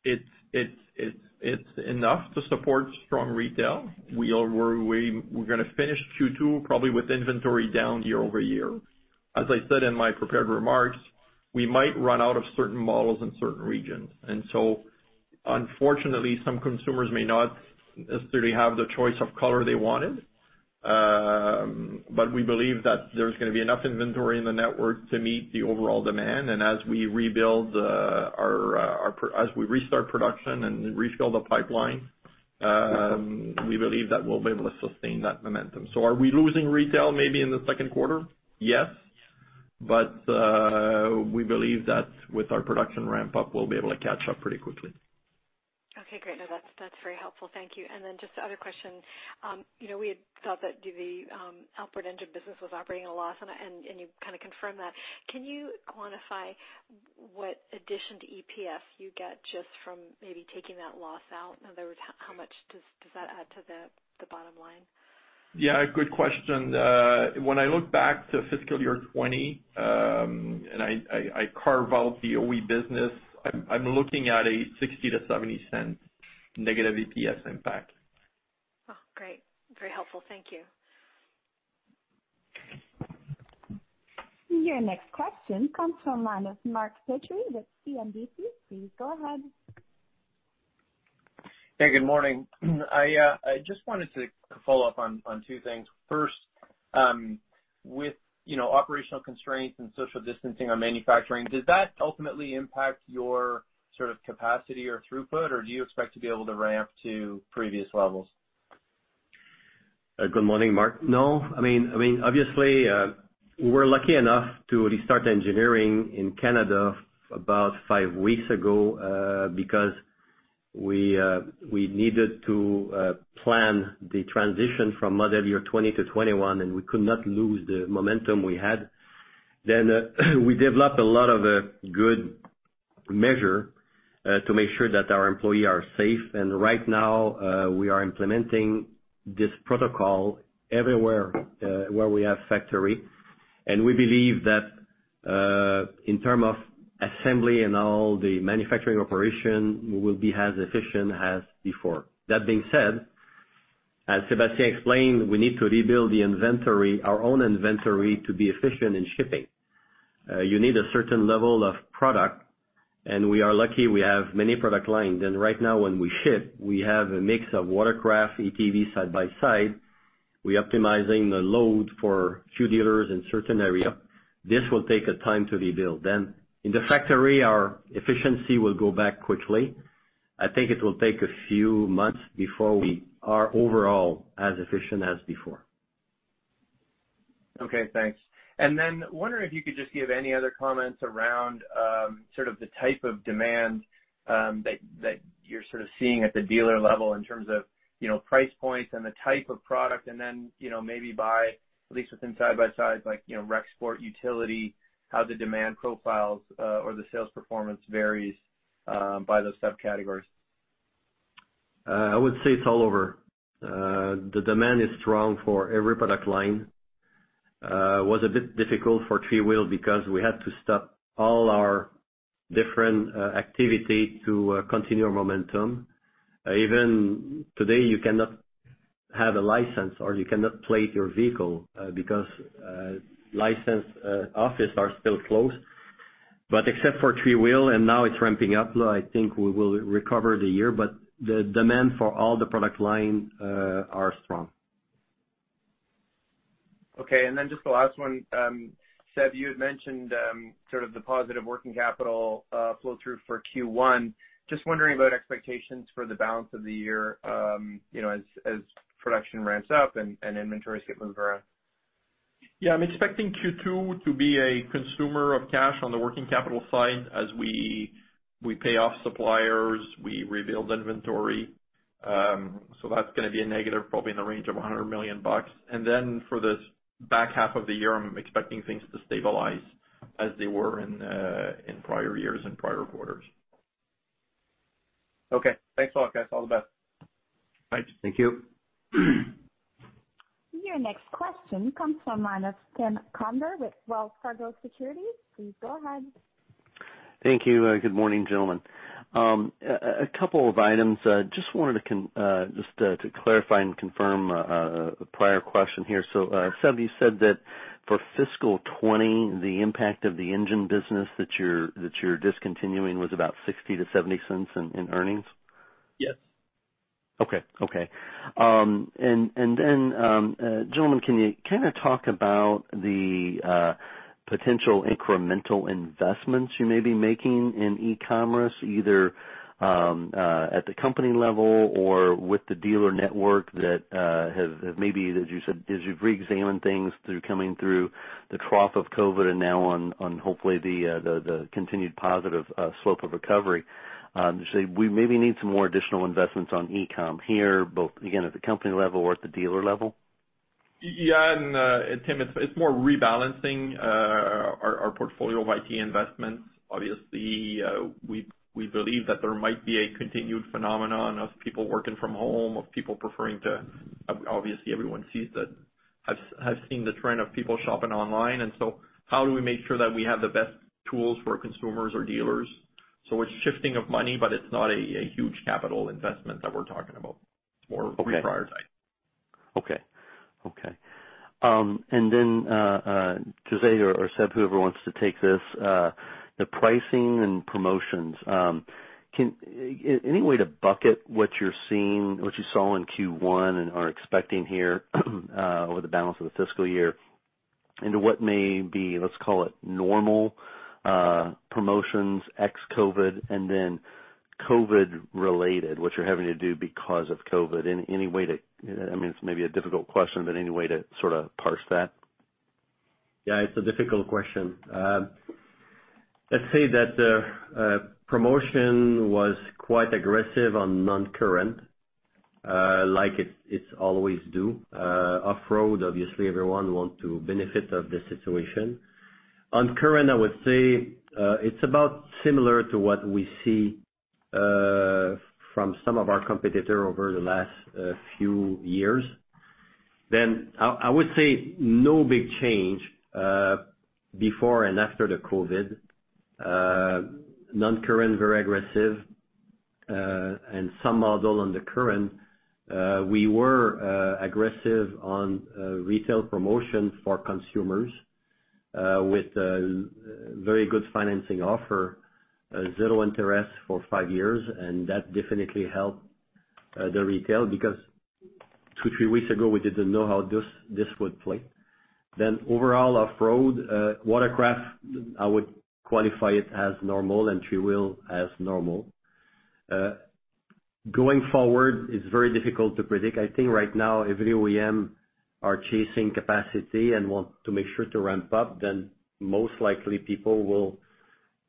It's enough to support strong retail. We're going to finish Q2 probably with inventory down year-over-year. As I said in my prepared remarks, we might run out of certain models in certain regions. Unfortunately, some consumers may not necessarily have the choice of color they wanted. We believe that there's going to be enough inventory in the network to meet the overall demand. As we restart production and refill the pipeline, we believe that we'll be able to sustain that momentum. Are we losing retail maybe in the second quarter? Yes. We believe that with our production ramp-up, we'll be able to catch up pretty quickly. Okay, great. No, that's very helpful. Thank you. Just the other question. We had thought that the outboard engine business was operating at a loss, and you kind of confirmed that. Can you quantify what addition to EPS you get just from maybe taking that loss out? In other words, how much does that add to the bottom line? Yeah, good question. When I look back to fiscal year 2020, and I carve out the OE business, I'm looking at a 0.60 to 0.70 negative EPS impact. Oh, great. Very helpful. Thank you. Your next question comes from line of Mark Petrie with CIBC. Please go ahead. Hey, good morning. I just wanted to follow up on two things. First, with operational constraints and social distancing on manufacturing, does that ultimately impact your capacity or throughput, or do you expect to be able to ramp to previous levels? Good morning, Mark. No. Obviously, we were lucky enough to restart engineering in Canada about five weeks ago because we needed to plan the transition from model year 2020 to 2021, and we could not lose the momentum we had. We developed a lot of good measure to make sure that our employee are safe. Right now, we are implementing this protocol everywhere where we have factory. We believe that in term of assembly and all the manufacturing operation, we will be as efficient as before. That being said, as Sébastien explained, we need to rebuild our own inventory to be efficient in shipping. You need a certain level of product, and we are lucky we have many product line. Right now when we ship, we have a mix of watercraft, ATV, side-by-side. We optimizing the load for few dealers in certain area. This will take a time to rebuild. In the factory, our efficiency will go back quickly. I think it will take a few months before we are overall as efficient as before. Okay, thanks. Wondering if you could just give any other comments around the type of demand that you're seeing at the dealer level in terms of price points and the type of product, then maybe by at least within side-by-side, rec sport utility, how the demand profiles or the sales performance varies by those subcategories. I would say it's all over. The demand is strong for every product line. Was a bit difficult for three-wheel because we had to stop all our different activity to continue our momentum. Even today, you cannot have a license, or you cannot plate your vehicle because license office are still closed. Except for three-wheel, now it's ramping up. I think we will recover the year, but the demand for all the product line are strong. Okay, just the last one. Seb, you had mentioned the positive working capital flow-through for Q1. Just wondering about expectations for the balance of the year as production ramps up and inventories get moved around. Yeah, I'm expecting Q2 to be a consumer of cash on the working capital side as we pay off suppliers, we rebuild inventory. That's going to be a negative, probably in the range of 100 million bucks. For the back half of the year, I'm expecting things to stabilize as they were in prior years and prior quarters. Okay, thanks a lot, guys. All the best. Thanks. Thank you. Your next question comes from the line of Tim Conder with Wells Fargo Securities. Please go ahead. Thank you. Good morning, gentlemen. A couple of items. Just wanted to clarify and confirm a prior question here. Seb, you said that for fiscal 2020, the impact of the engine business that you're discontinuing was about 0.60-0.70 in earnings? Yes. Okay. Gentlemen, can you talk about the potential incremental investments you may be making in e-commerce, either at the company level or with the dealer network that have maybe, as you've reexamined things through coming through the trough of COVID and now on hopefully the continued positive slope of recovery, to say, "We maybe need some more additional investments on e-com here," both again, at the company level or at the dealer level? Yeah, Tim, it's more rebalancing our portfolio of IT investments. Obviously, we believe that there might be a continued phenomenon of people working from home. Obviously, everyone sees that. I've seen the trend of people shopping online, how do we make sure that we have the best tools for consumers or dealers? It's shifting of money, but it's not a huge capital investment that we're talking about. It's more reprioritized. Okay. Then, José or Seb, whoever wants to take this. The pricing and promotions. Any way to bucket what you're seeing, what you saw in Q1 and are expecting here over the balance of the fiscal year into what may be, let's call it normal promotions, ex-COVID, and then COVID related, what you're having to do because of COVID. It's maybe a difficult question, but any way to sort of parse that? Yeah, it's a difficult question. Let's say that promotion was quite aggressive on non-current, like it always do. Off-road, obviously, everyone want to benefit of the situation. On current, I would say it's about similar to what we see from some of our competitor over the last few years. I would say no big change before and after the COVID. Non-current, very aggressive, some model on the current. We were aggressive on retail promotion for consumers with a very good financing offer, zero interest for five years, and that definitely helped the retail because two, three weeks ago we didn't know how this would play. Overall off-road watercraft, I would qualify it as normal and three-wheel as normal. Going forward, it's very difficult to predict. I think right now every OEM are chasing capacity and want to make sure to ramp up. Most likely people will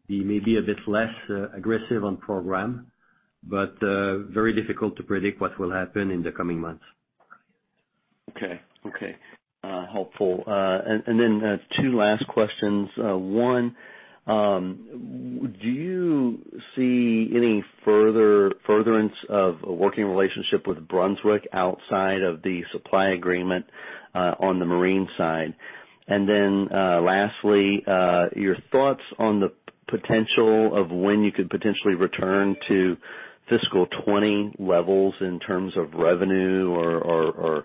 be maybe a bit less aggressive on program. Very difficult to predict what will happen in the coming months. Okay. Helpful. Then two last questions. One, do you see any furtherance of a working relationship with Brunswick outside of the supply agreement on the marine side? Lastly, your thoughts on the potential of when you could potentially return to fiscal 2020 levels in terms of revenue or,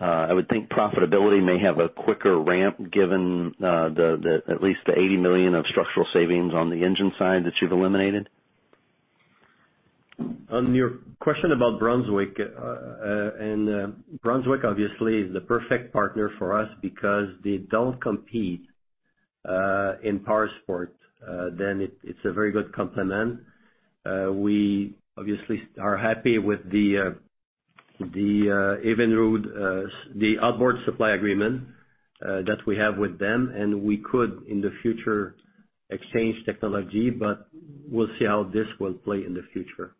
I would think profitability may have a quicker ramp given at least the 80 million of structural savings on the engine side that you've eliminated. On your question about Brunswick obviously is the perfect partner for us because they don't compete in powersports. It's a very good complement. We obviously are happy with the outboard supply agreement that we have with them, and we could in the future exchange technology but we'll see how this will play in the future.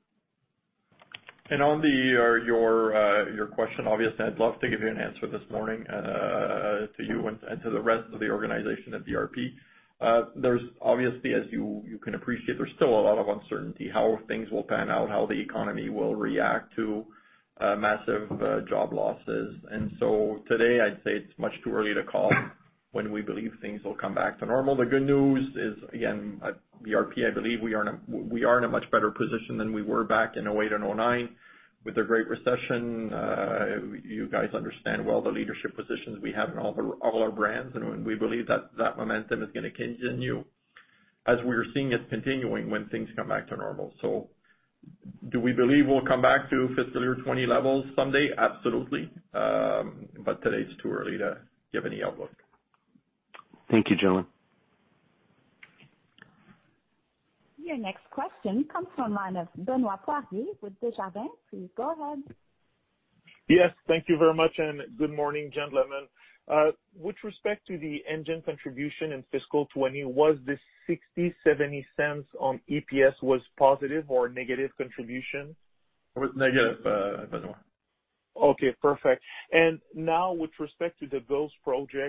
On your question, obviously, I'd love to give you an answer this morning, to you and to the rest of the organization at BRP. There is obviously, as you can appreciate, there is still a lot of uncertainty how things will pan out, how the economy will react to massive job losses. Today, I'd say it is much too early to call when we believe things will come back to normal. The good news is, again, at BRP, I believe we are in a much better position than we were back in 2008 and 2009 with the Great Recession. You guys understand well the leadership positions we have in all our brands, and we believe that that momentum is going to continue as we are seeing it continuing when things come back to normal. Do we believe we will come back to fiscal year 2020 levels someday? Absolutely. Today it's too early to give any outlook. Thank you, gentlemen. Your next question comes from the line of Benoit Poirier with Desjardins. Please go ahead. Yes, thank you very much, and good morning, gentlemen. With respect to the engine contribution in fiscal 2020, was this 0.60, 0.70 on EPS was positive or negative contribution? It was negative, Benoit. Okay, perfect. Now with respect to Project Ghost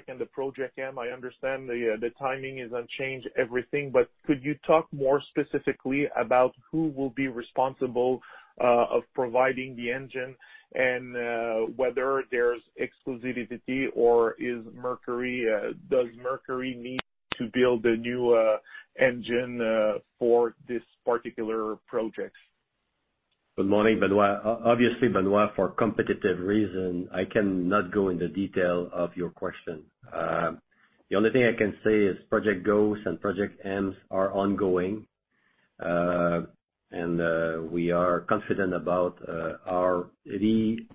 and Project M, I understand the timing is unchanged, everything, but could you talk more specifically about who will be responsible of providing the engine and whether there's exclusivity or does Mercury need to build a new engine for this particular project? Good morning, Benoit. Obviously, Benoit, for competitive reason, I cannot go into detail of your question. The only thing I can say is Project Ghost and Project M are ongoing. We are confident about our reoriented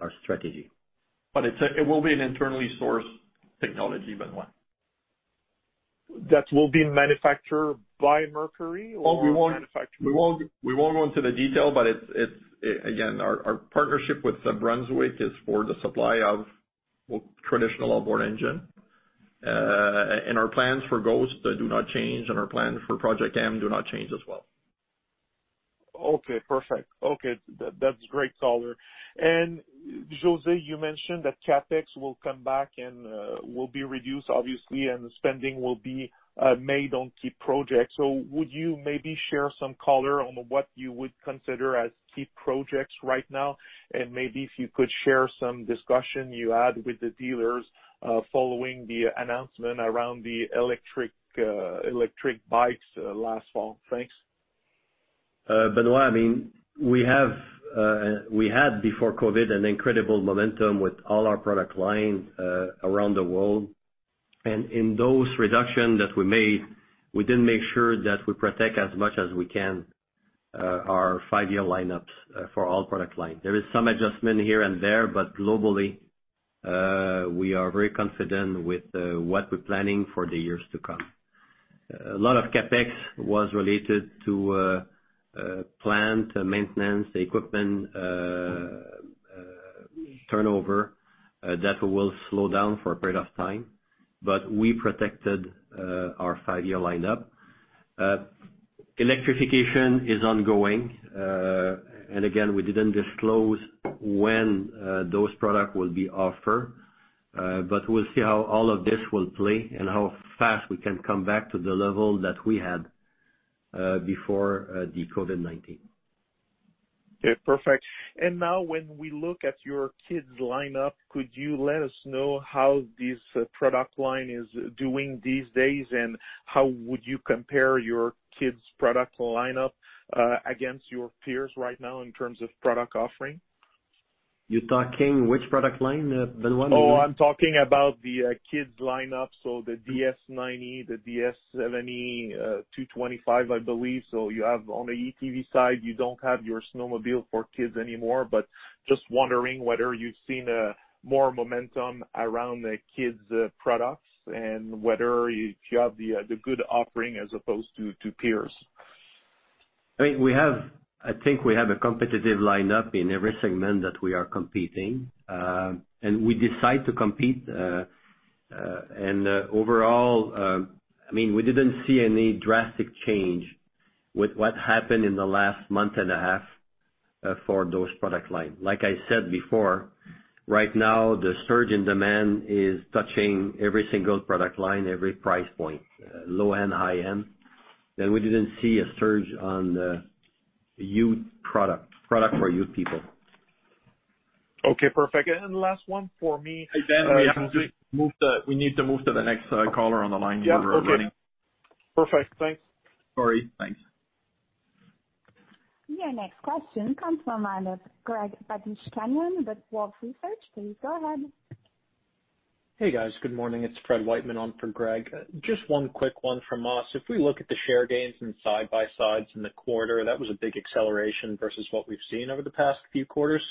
our strategy. It will be an internally sourced technology, Benoit. That will be manufactured by Mercury. Well, we won't go into the detail, but again, our partnership with Brunswick is for the supply of traditional outboard engine. Our plans for Ghost do not change, and our plan for Project M do not change as well. Okay, perfect. Okay, that's great color. José, you mentioned that CapEx will come back and will be reduced, obviously, and spending will be made on key projects. Would you maybe share some color on what you would consider as key projects right now? Maybe if you could share some discussion you had with the dealers, following the announcement around the electric bikes last fall. Thanks. Benoit, we had before COVID an incredible momentum with all our product line around the world. In those reduction that we made, we did make sure that we protect as much as we can our five-year lineups for all product line. There is some adjustment here and there, but globally, we are very confident with what we're planning for the years to come. A lot of CapEx was related to plant maintenance, equipment turnover. That will slow down for a period of time, but we protected our five-year lineup. Electrification is ongoing. Again, we didn't disclose when those product will be offered. We'll see how all of this will play and how fast we can come back to the level that we had before the COVID-19. Okay, perfect. Now when we look at your kids lineup, could you let us know how this product line is doing these days, and how would you compare your kids product lineup against your peers right now in terms of product offering? You're talking which product line, Benoit? I'm talking about the kids lineup, the DS 90, the DS 70, 225, I believe so. You have on the ATV side, you don't have your snowmobile for kids anymore, but just wondering whether you've seen more momentum around the kids products and whether you have the good offering as opposed to peers? I think we have a competitive lineup in every segment that we are competing. We decide to compete. Overall, we didn't see any drastic change with what happened in the last month and a half for those product line. Like I said before, right now the surge in demand is touching every single product line, every price point, low-end, high-end. We didn't see a surge on the product for youth people. Okay, perfect. Last one for me. Hey, Ben, we need to move to the next caller on the line. Yeah. Okay. Perfect. Thanks. Sorry. Thanks. Your next question comes from the line of Greg Badishkanian with Wolfe Research. Please go ahead. Hey, guys. Good morning. It's Fred Wightman on for Greg. Just one quick one from us. If we look at the share gains in side-by-sides in the quarter, that was a big acceleration versus what we've seen over the past few quarters.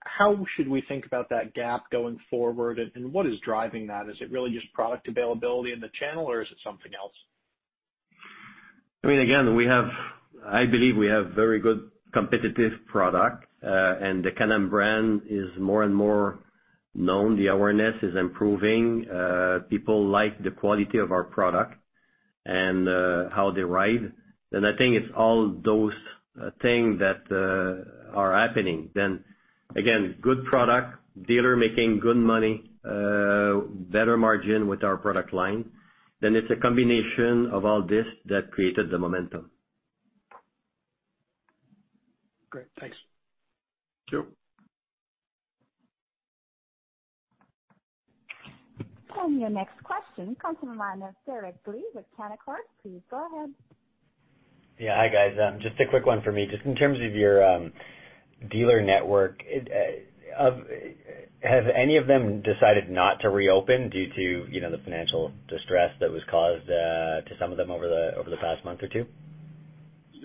How should we think about that gap going forward and what is driving that? Is it really just product availability in the channel, or is it something else? Again, I believe we have very good competitive product. The Can-Am brand is more and more known. The awareness is improving. People like the quality of our product and how they ride. I think it's all those thing that are happening. Again, good product, dealer making good money, better margin with our product line. It's a combination of all this that created the momentum. Great. Thanks. Sure. Your next question comes from the line of Derek Dley with Canaccord. Please go ahead. Yeah. Hi, guys. Just a quick one for me. Just in terms of your dealer network, have any of them decided not to reopen due to the financial distress that was caused to some of them over the past month or two?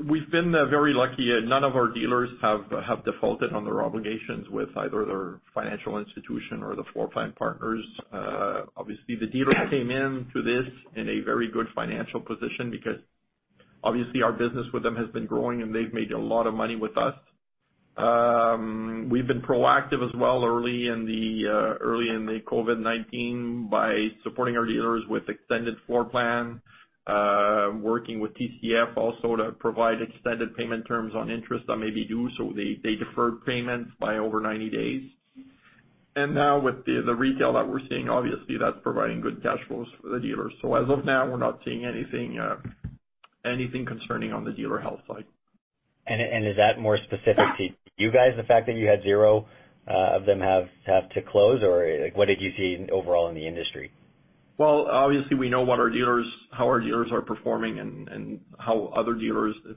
We've been very lucky. None of our dealers have defaulted on their obligations with either their financial institution or the floor plan partners. Obviously, the dealers came into this in a very good financial position because obviously our business with them has been growing, and they've made a lot of money with us. We've been proactive as well early in the COVID-19 by supporting our dealers with extended floor plan, working with TCF also to provide extended payment terms on interest that may be due, so they deferred payments by over 90 days. Now with the retail that we're seeing, obviously, that's providing good cash flows for the dealers. As of now, we're not seeing anything concerning on the dealer health side. Is that more specific to you guys, the fact that you had zero of them have to close or what did you see overall in the industry? Well, obviously, we know how our dealers are performing.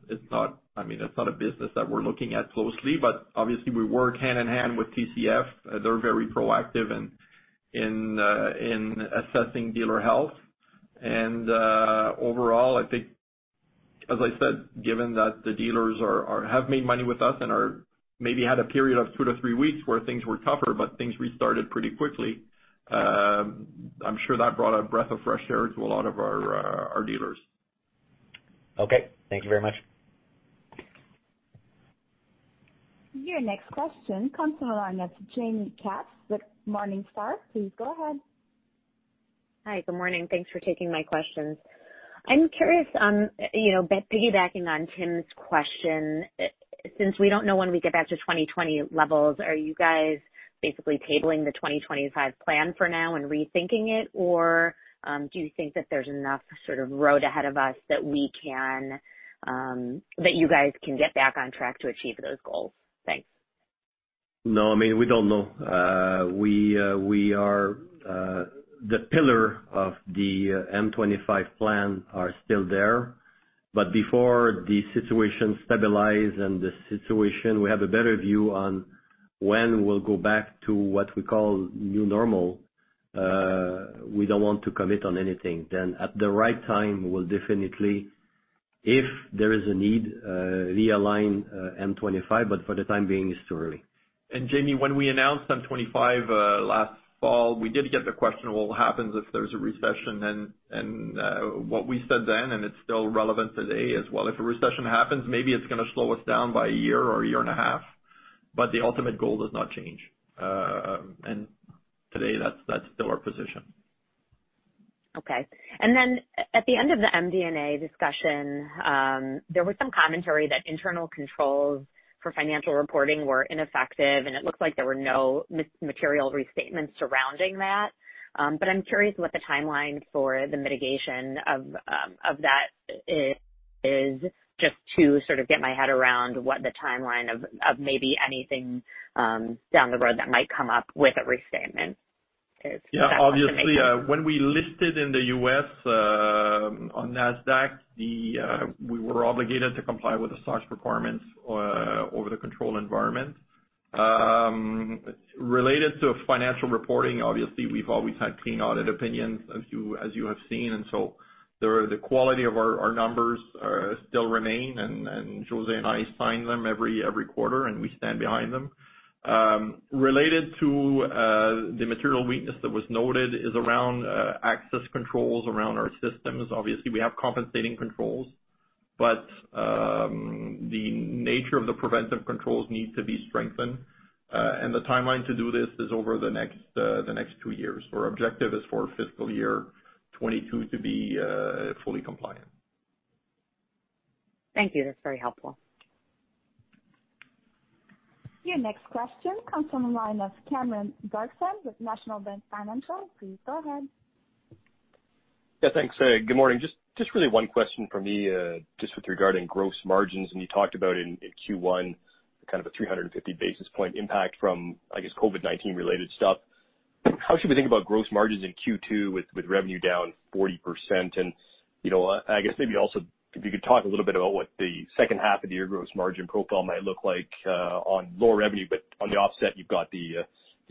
It's not a business that we're looking at closely. Obviously, we work hand in hand with TCF. They're very proactive in assessing dealer health. Overall, I think, as I said, given that the dealers have made money with us and maybe had a period of two to three weeks where things were tougher, things restarted pretty quickly. I'm sure that brought a breath of fresh air to a lot of our dealers. Okay. Thank you very much. Your next question comes from the line of Jaime Katz with Morningstar. Please go ahead. Hi. Good morning. Thanks for taking my questions. I'm curious, piggybacking on Tim's question, since we don't know when we get back to 2020 levels, are you guys basically tabling the 2025 plan for now and rethinking it or do you think that there's enough road ahead of us that you guys can get back on track to achieve those goals? Thanks. No, we don't know. The pillar of the M25 plan are still there, but before the situation stabilize and the situation, we have a better view on when we'll go back to what we call new normal, we don't want to commit on anything. At the right time, we'll definitely, if there is a need, realign M25, but for the time being, it's too early. Jaime, when we announced M25 last fall, we did get the question, "Well, what happens if there's a recession?" What we said then, and it's still relevant today as well, if a recession happens, maybe it's going to slow us down by a year or a year and a half, but the ultimate goal does not change. Today, that's still our position. Okay. At the end of the MD&A discussion, there was some commentary that internal controls for financial reporting were ineffective, and it looks like there were no material restatements surrounding that. I'm curious what the timeline for the mitigation of that is, just to get my head around what the timeline of maybe anything down the road that might come up with a restatement. Yeah. Obviously, when we listed in the U.S. on NASDAQ, we were obligated to comply with the SOX requirements over the control environment. Related to financial reporting, obviously, we've always had clean audit opinions as you have seen, the quality of our numbers still remain, and José and I sign them every quarter, and we stand behind them. Related to the material weakness that was noted is around access controls around our systems. Obviously, we have compensating controls, the nature of the preventive controls need to be strengthened. The timeline to do this is over the next two years. Our objective is for fiscal year 2022 to be fully compliant. Thank you. That's very helpful. Your next question comes from the line of Cameron Doerksen with National Bank Financial. Please go ahead. Yeah, thanks. Good morning. Just really one question from me, just with regarding gross margins, you talked about in Q1, kind of a 350 basis points impact from, I guess, COVID-19 related stuff. How should we think about gross margins in Q2 with revenue down 40%? I guess maybe also, if you could talk a little bit about what the second half of the year gross margin profile might look like on lower revenue, but on the offset, you've got the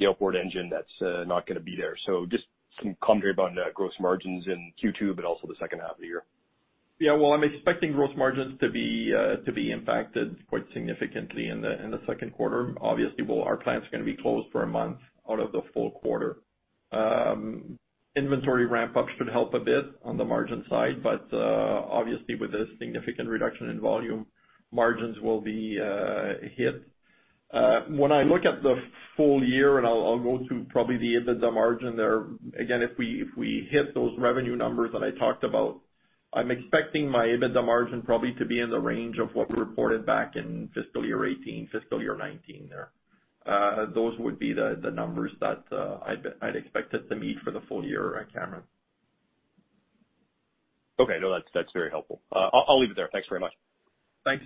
outboard engine that's not gonna be there. Just some commentary about gross margins in Q2, but also the second half of the year. Well, I'm expecting gross margins to be impacted quite significantly in the second quarter. Obviously, well, our plant's gonna be closed for a month out of the full quarter. Inventory ramp-ups should help a bit on the margin side. Obviously with a significant reduction in volume, margins will be hit. When I look at the full year, I'll go to probably the EBITDA margin there. Again, if we hit those revenue numbers that I talked about, I'm expecting my EBITDA margin probably to be in the range of what we reported back in fiscal year 2018, fiscal year 2019 there. Those would be the numbers that I'd expected to meet for the full year, Cameron. Okay. No, that's very helpful. I'll leave it there. Thanks very much. Thanks.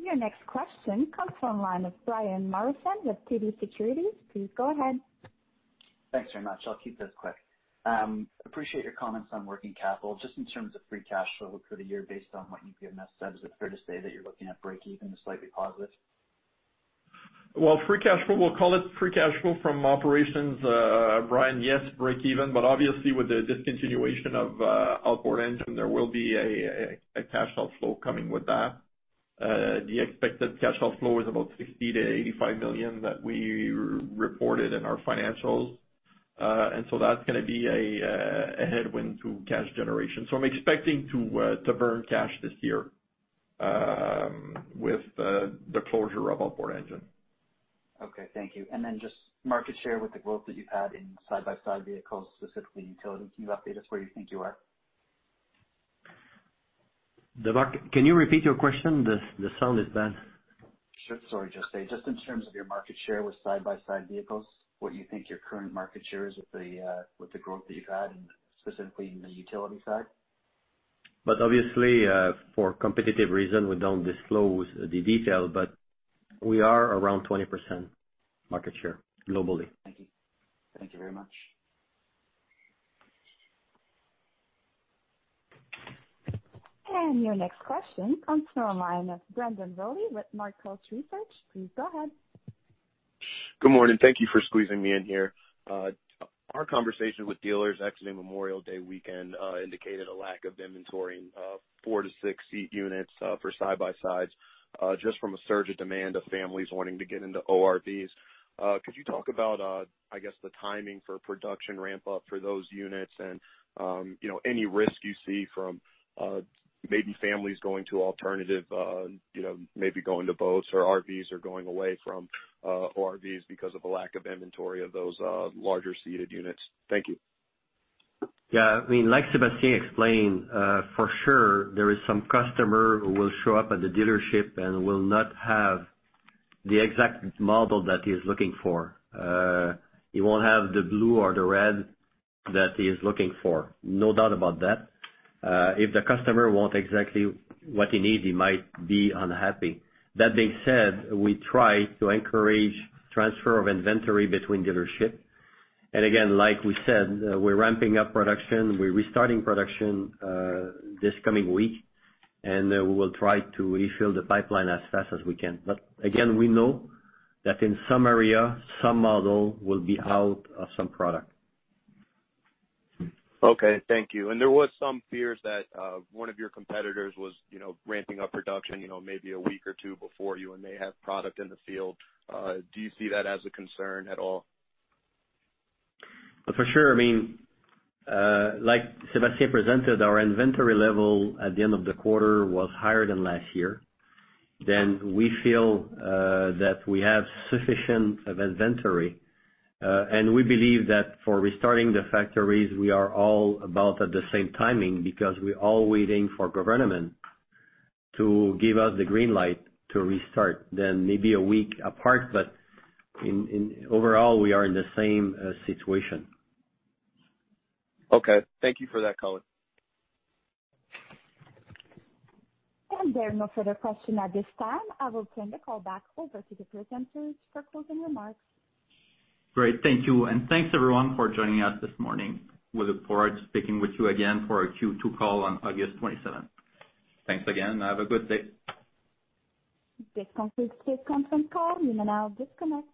Your next question comes from line of Brian Morrison with TD Securities. Please go ahead. Thanks very much. I'll keep this quick. Appreciate your comments on working capital. Just in terms of Free Cash Flow for the year based on what you've just said, is it fair to say that you're looking at breakeven to slightly positive? Free Cash Flow, we'll call it Free Cash Flow from operations, Brian. Yes, breakeven, but obviously with the discontinuation of outboard engine, there will be a cash outflow coming with that. The expected cash outflow is about 60 million to 85 million that we reported in our financials. That's gonna be a headwind to cash generation. I'm expecting to burn cash this year with the closure of outboard engine. Okay, thank you. Just market share with the growth that you've had in side-by-side vehicles, specifically utility. Can you update us where you think you are? Can you repeat your question? The sound is bad. Sure. Sorry, just in terms of your market share with side-by-side vehicles, what do you think your current market share is with the growth that you've had, and specifically in the utility side? Obviously, for competitive reason, we don't disclose the detail, but we are around 20% market share globally. Thank you. Thank you very much. Your next question comes from line of Brandon Rollé with Northcoast Research. Please go ahead. Good morning. Thank you for squeezing me in here. Our conversation with dealers exiting Memorial Day weekend indicated a lack of inventory in four to six-seat units for side-by-sides, just from a surge of demand of families wanting to get into ORVs. Could you talk about, I guess, the timing for production ramp-up for those units and any risk you see from maybe families going to alternative maybe going to boats or RVs or going away from ORVs because of a lack of inventory of those larger seated units. Thank you. Yeah. Like Sébastien explained, for sure, there is some customer who will show up at the dealership and will not have the exact model that he's looking for. He won't have the blue or the red that he is looking for. No doubt about that. If the customer want exactly what he need, he might be unhappy. That being said, we try to encourage transfer of inventory between dealership. Again, like we said, we're ramping up production. We're restarting production this coming week and we will try to refill the pipeline as fast as we can. Again, we know that in some area, some model will be out of some product. Okay. Thank you. There was some fears that one of your competitors was ramping up production maybe a week or two before you, and they have product in the field. Do you see that as a concern at all? For sure. Like Sébastien presented, our inventory level at the end of the quarter was higher than last year. We feel that we have sufficient inventory. We believe that for restarting the factories, we are all about at the same timing because we're all waiting for government to give us the green light to restart, maybe a week apart, but overall, we are in the same situation. Okay. Thank you for that, José. There are no further questions at this time. I will turn the call back over to the presenters for closing remarks. Great. Thank you. Thanks, everyone, for joining us this morning. We look forward to speaking with you again for our Q2 call on August 27th. Thanks again. Have a good day. This concludes today's conference call. You may now disconnect.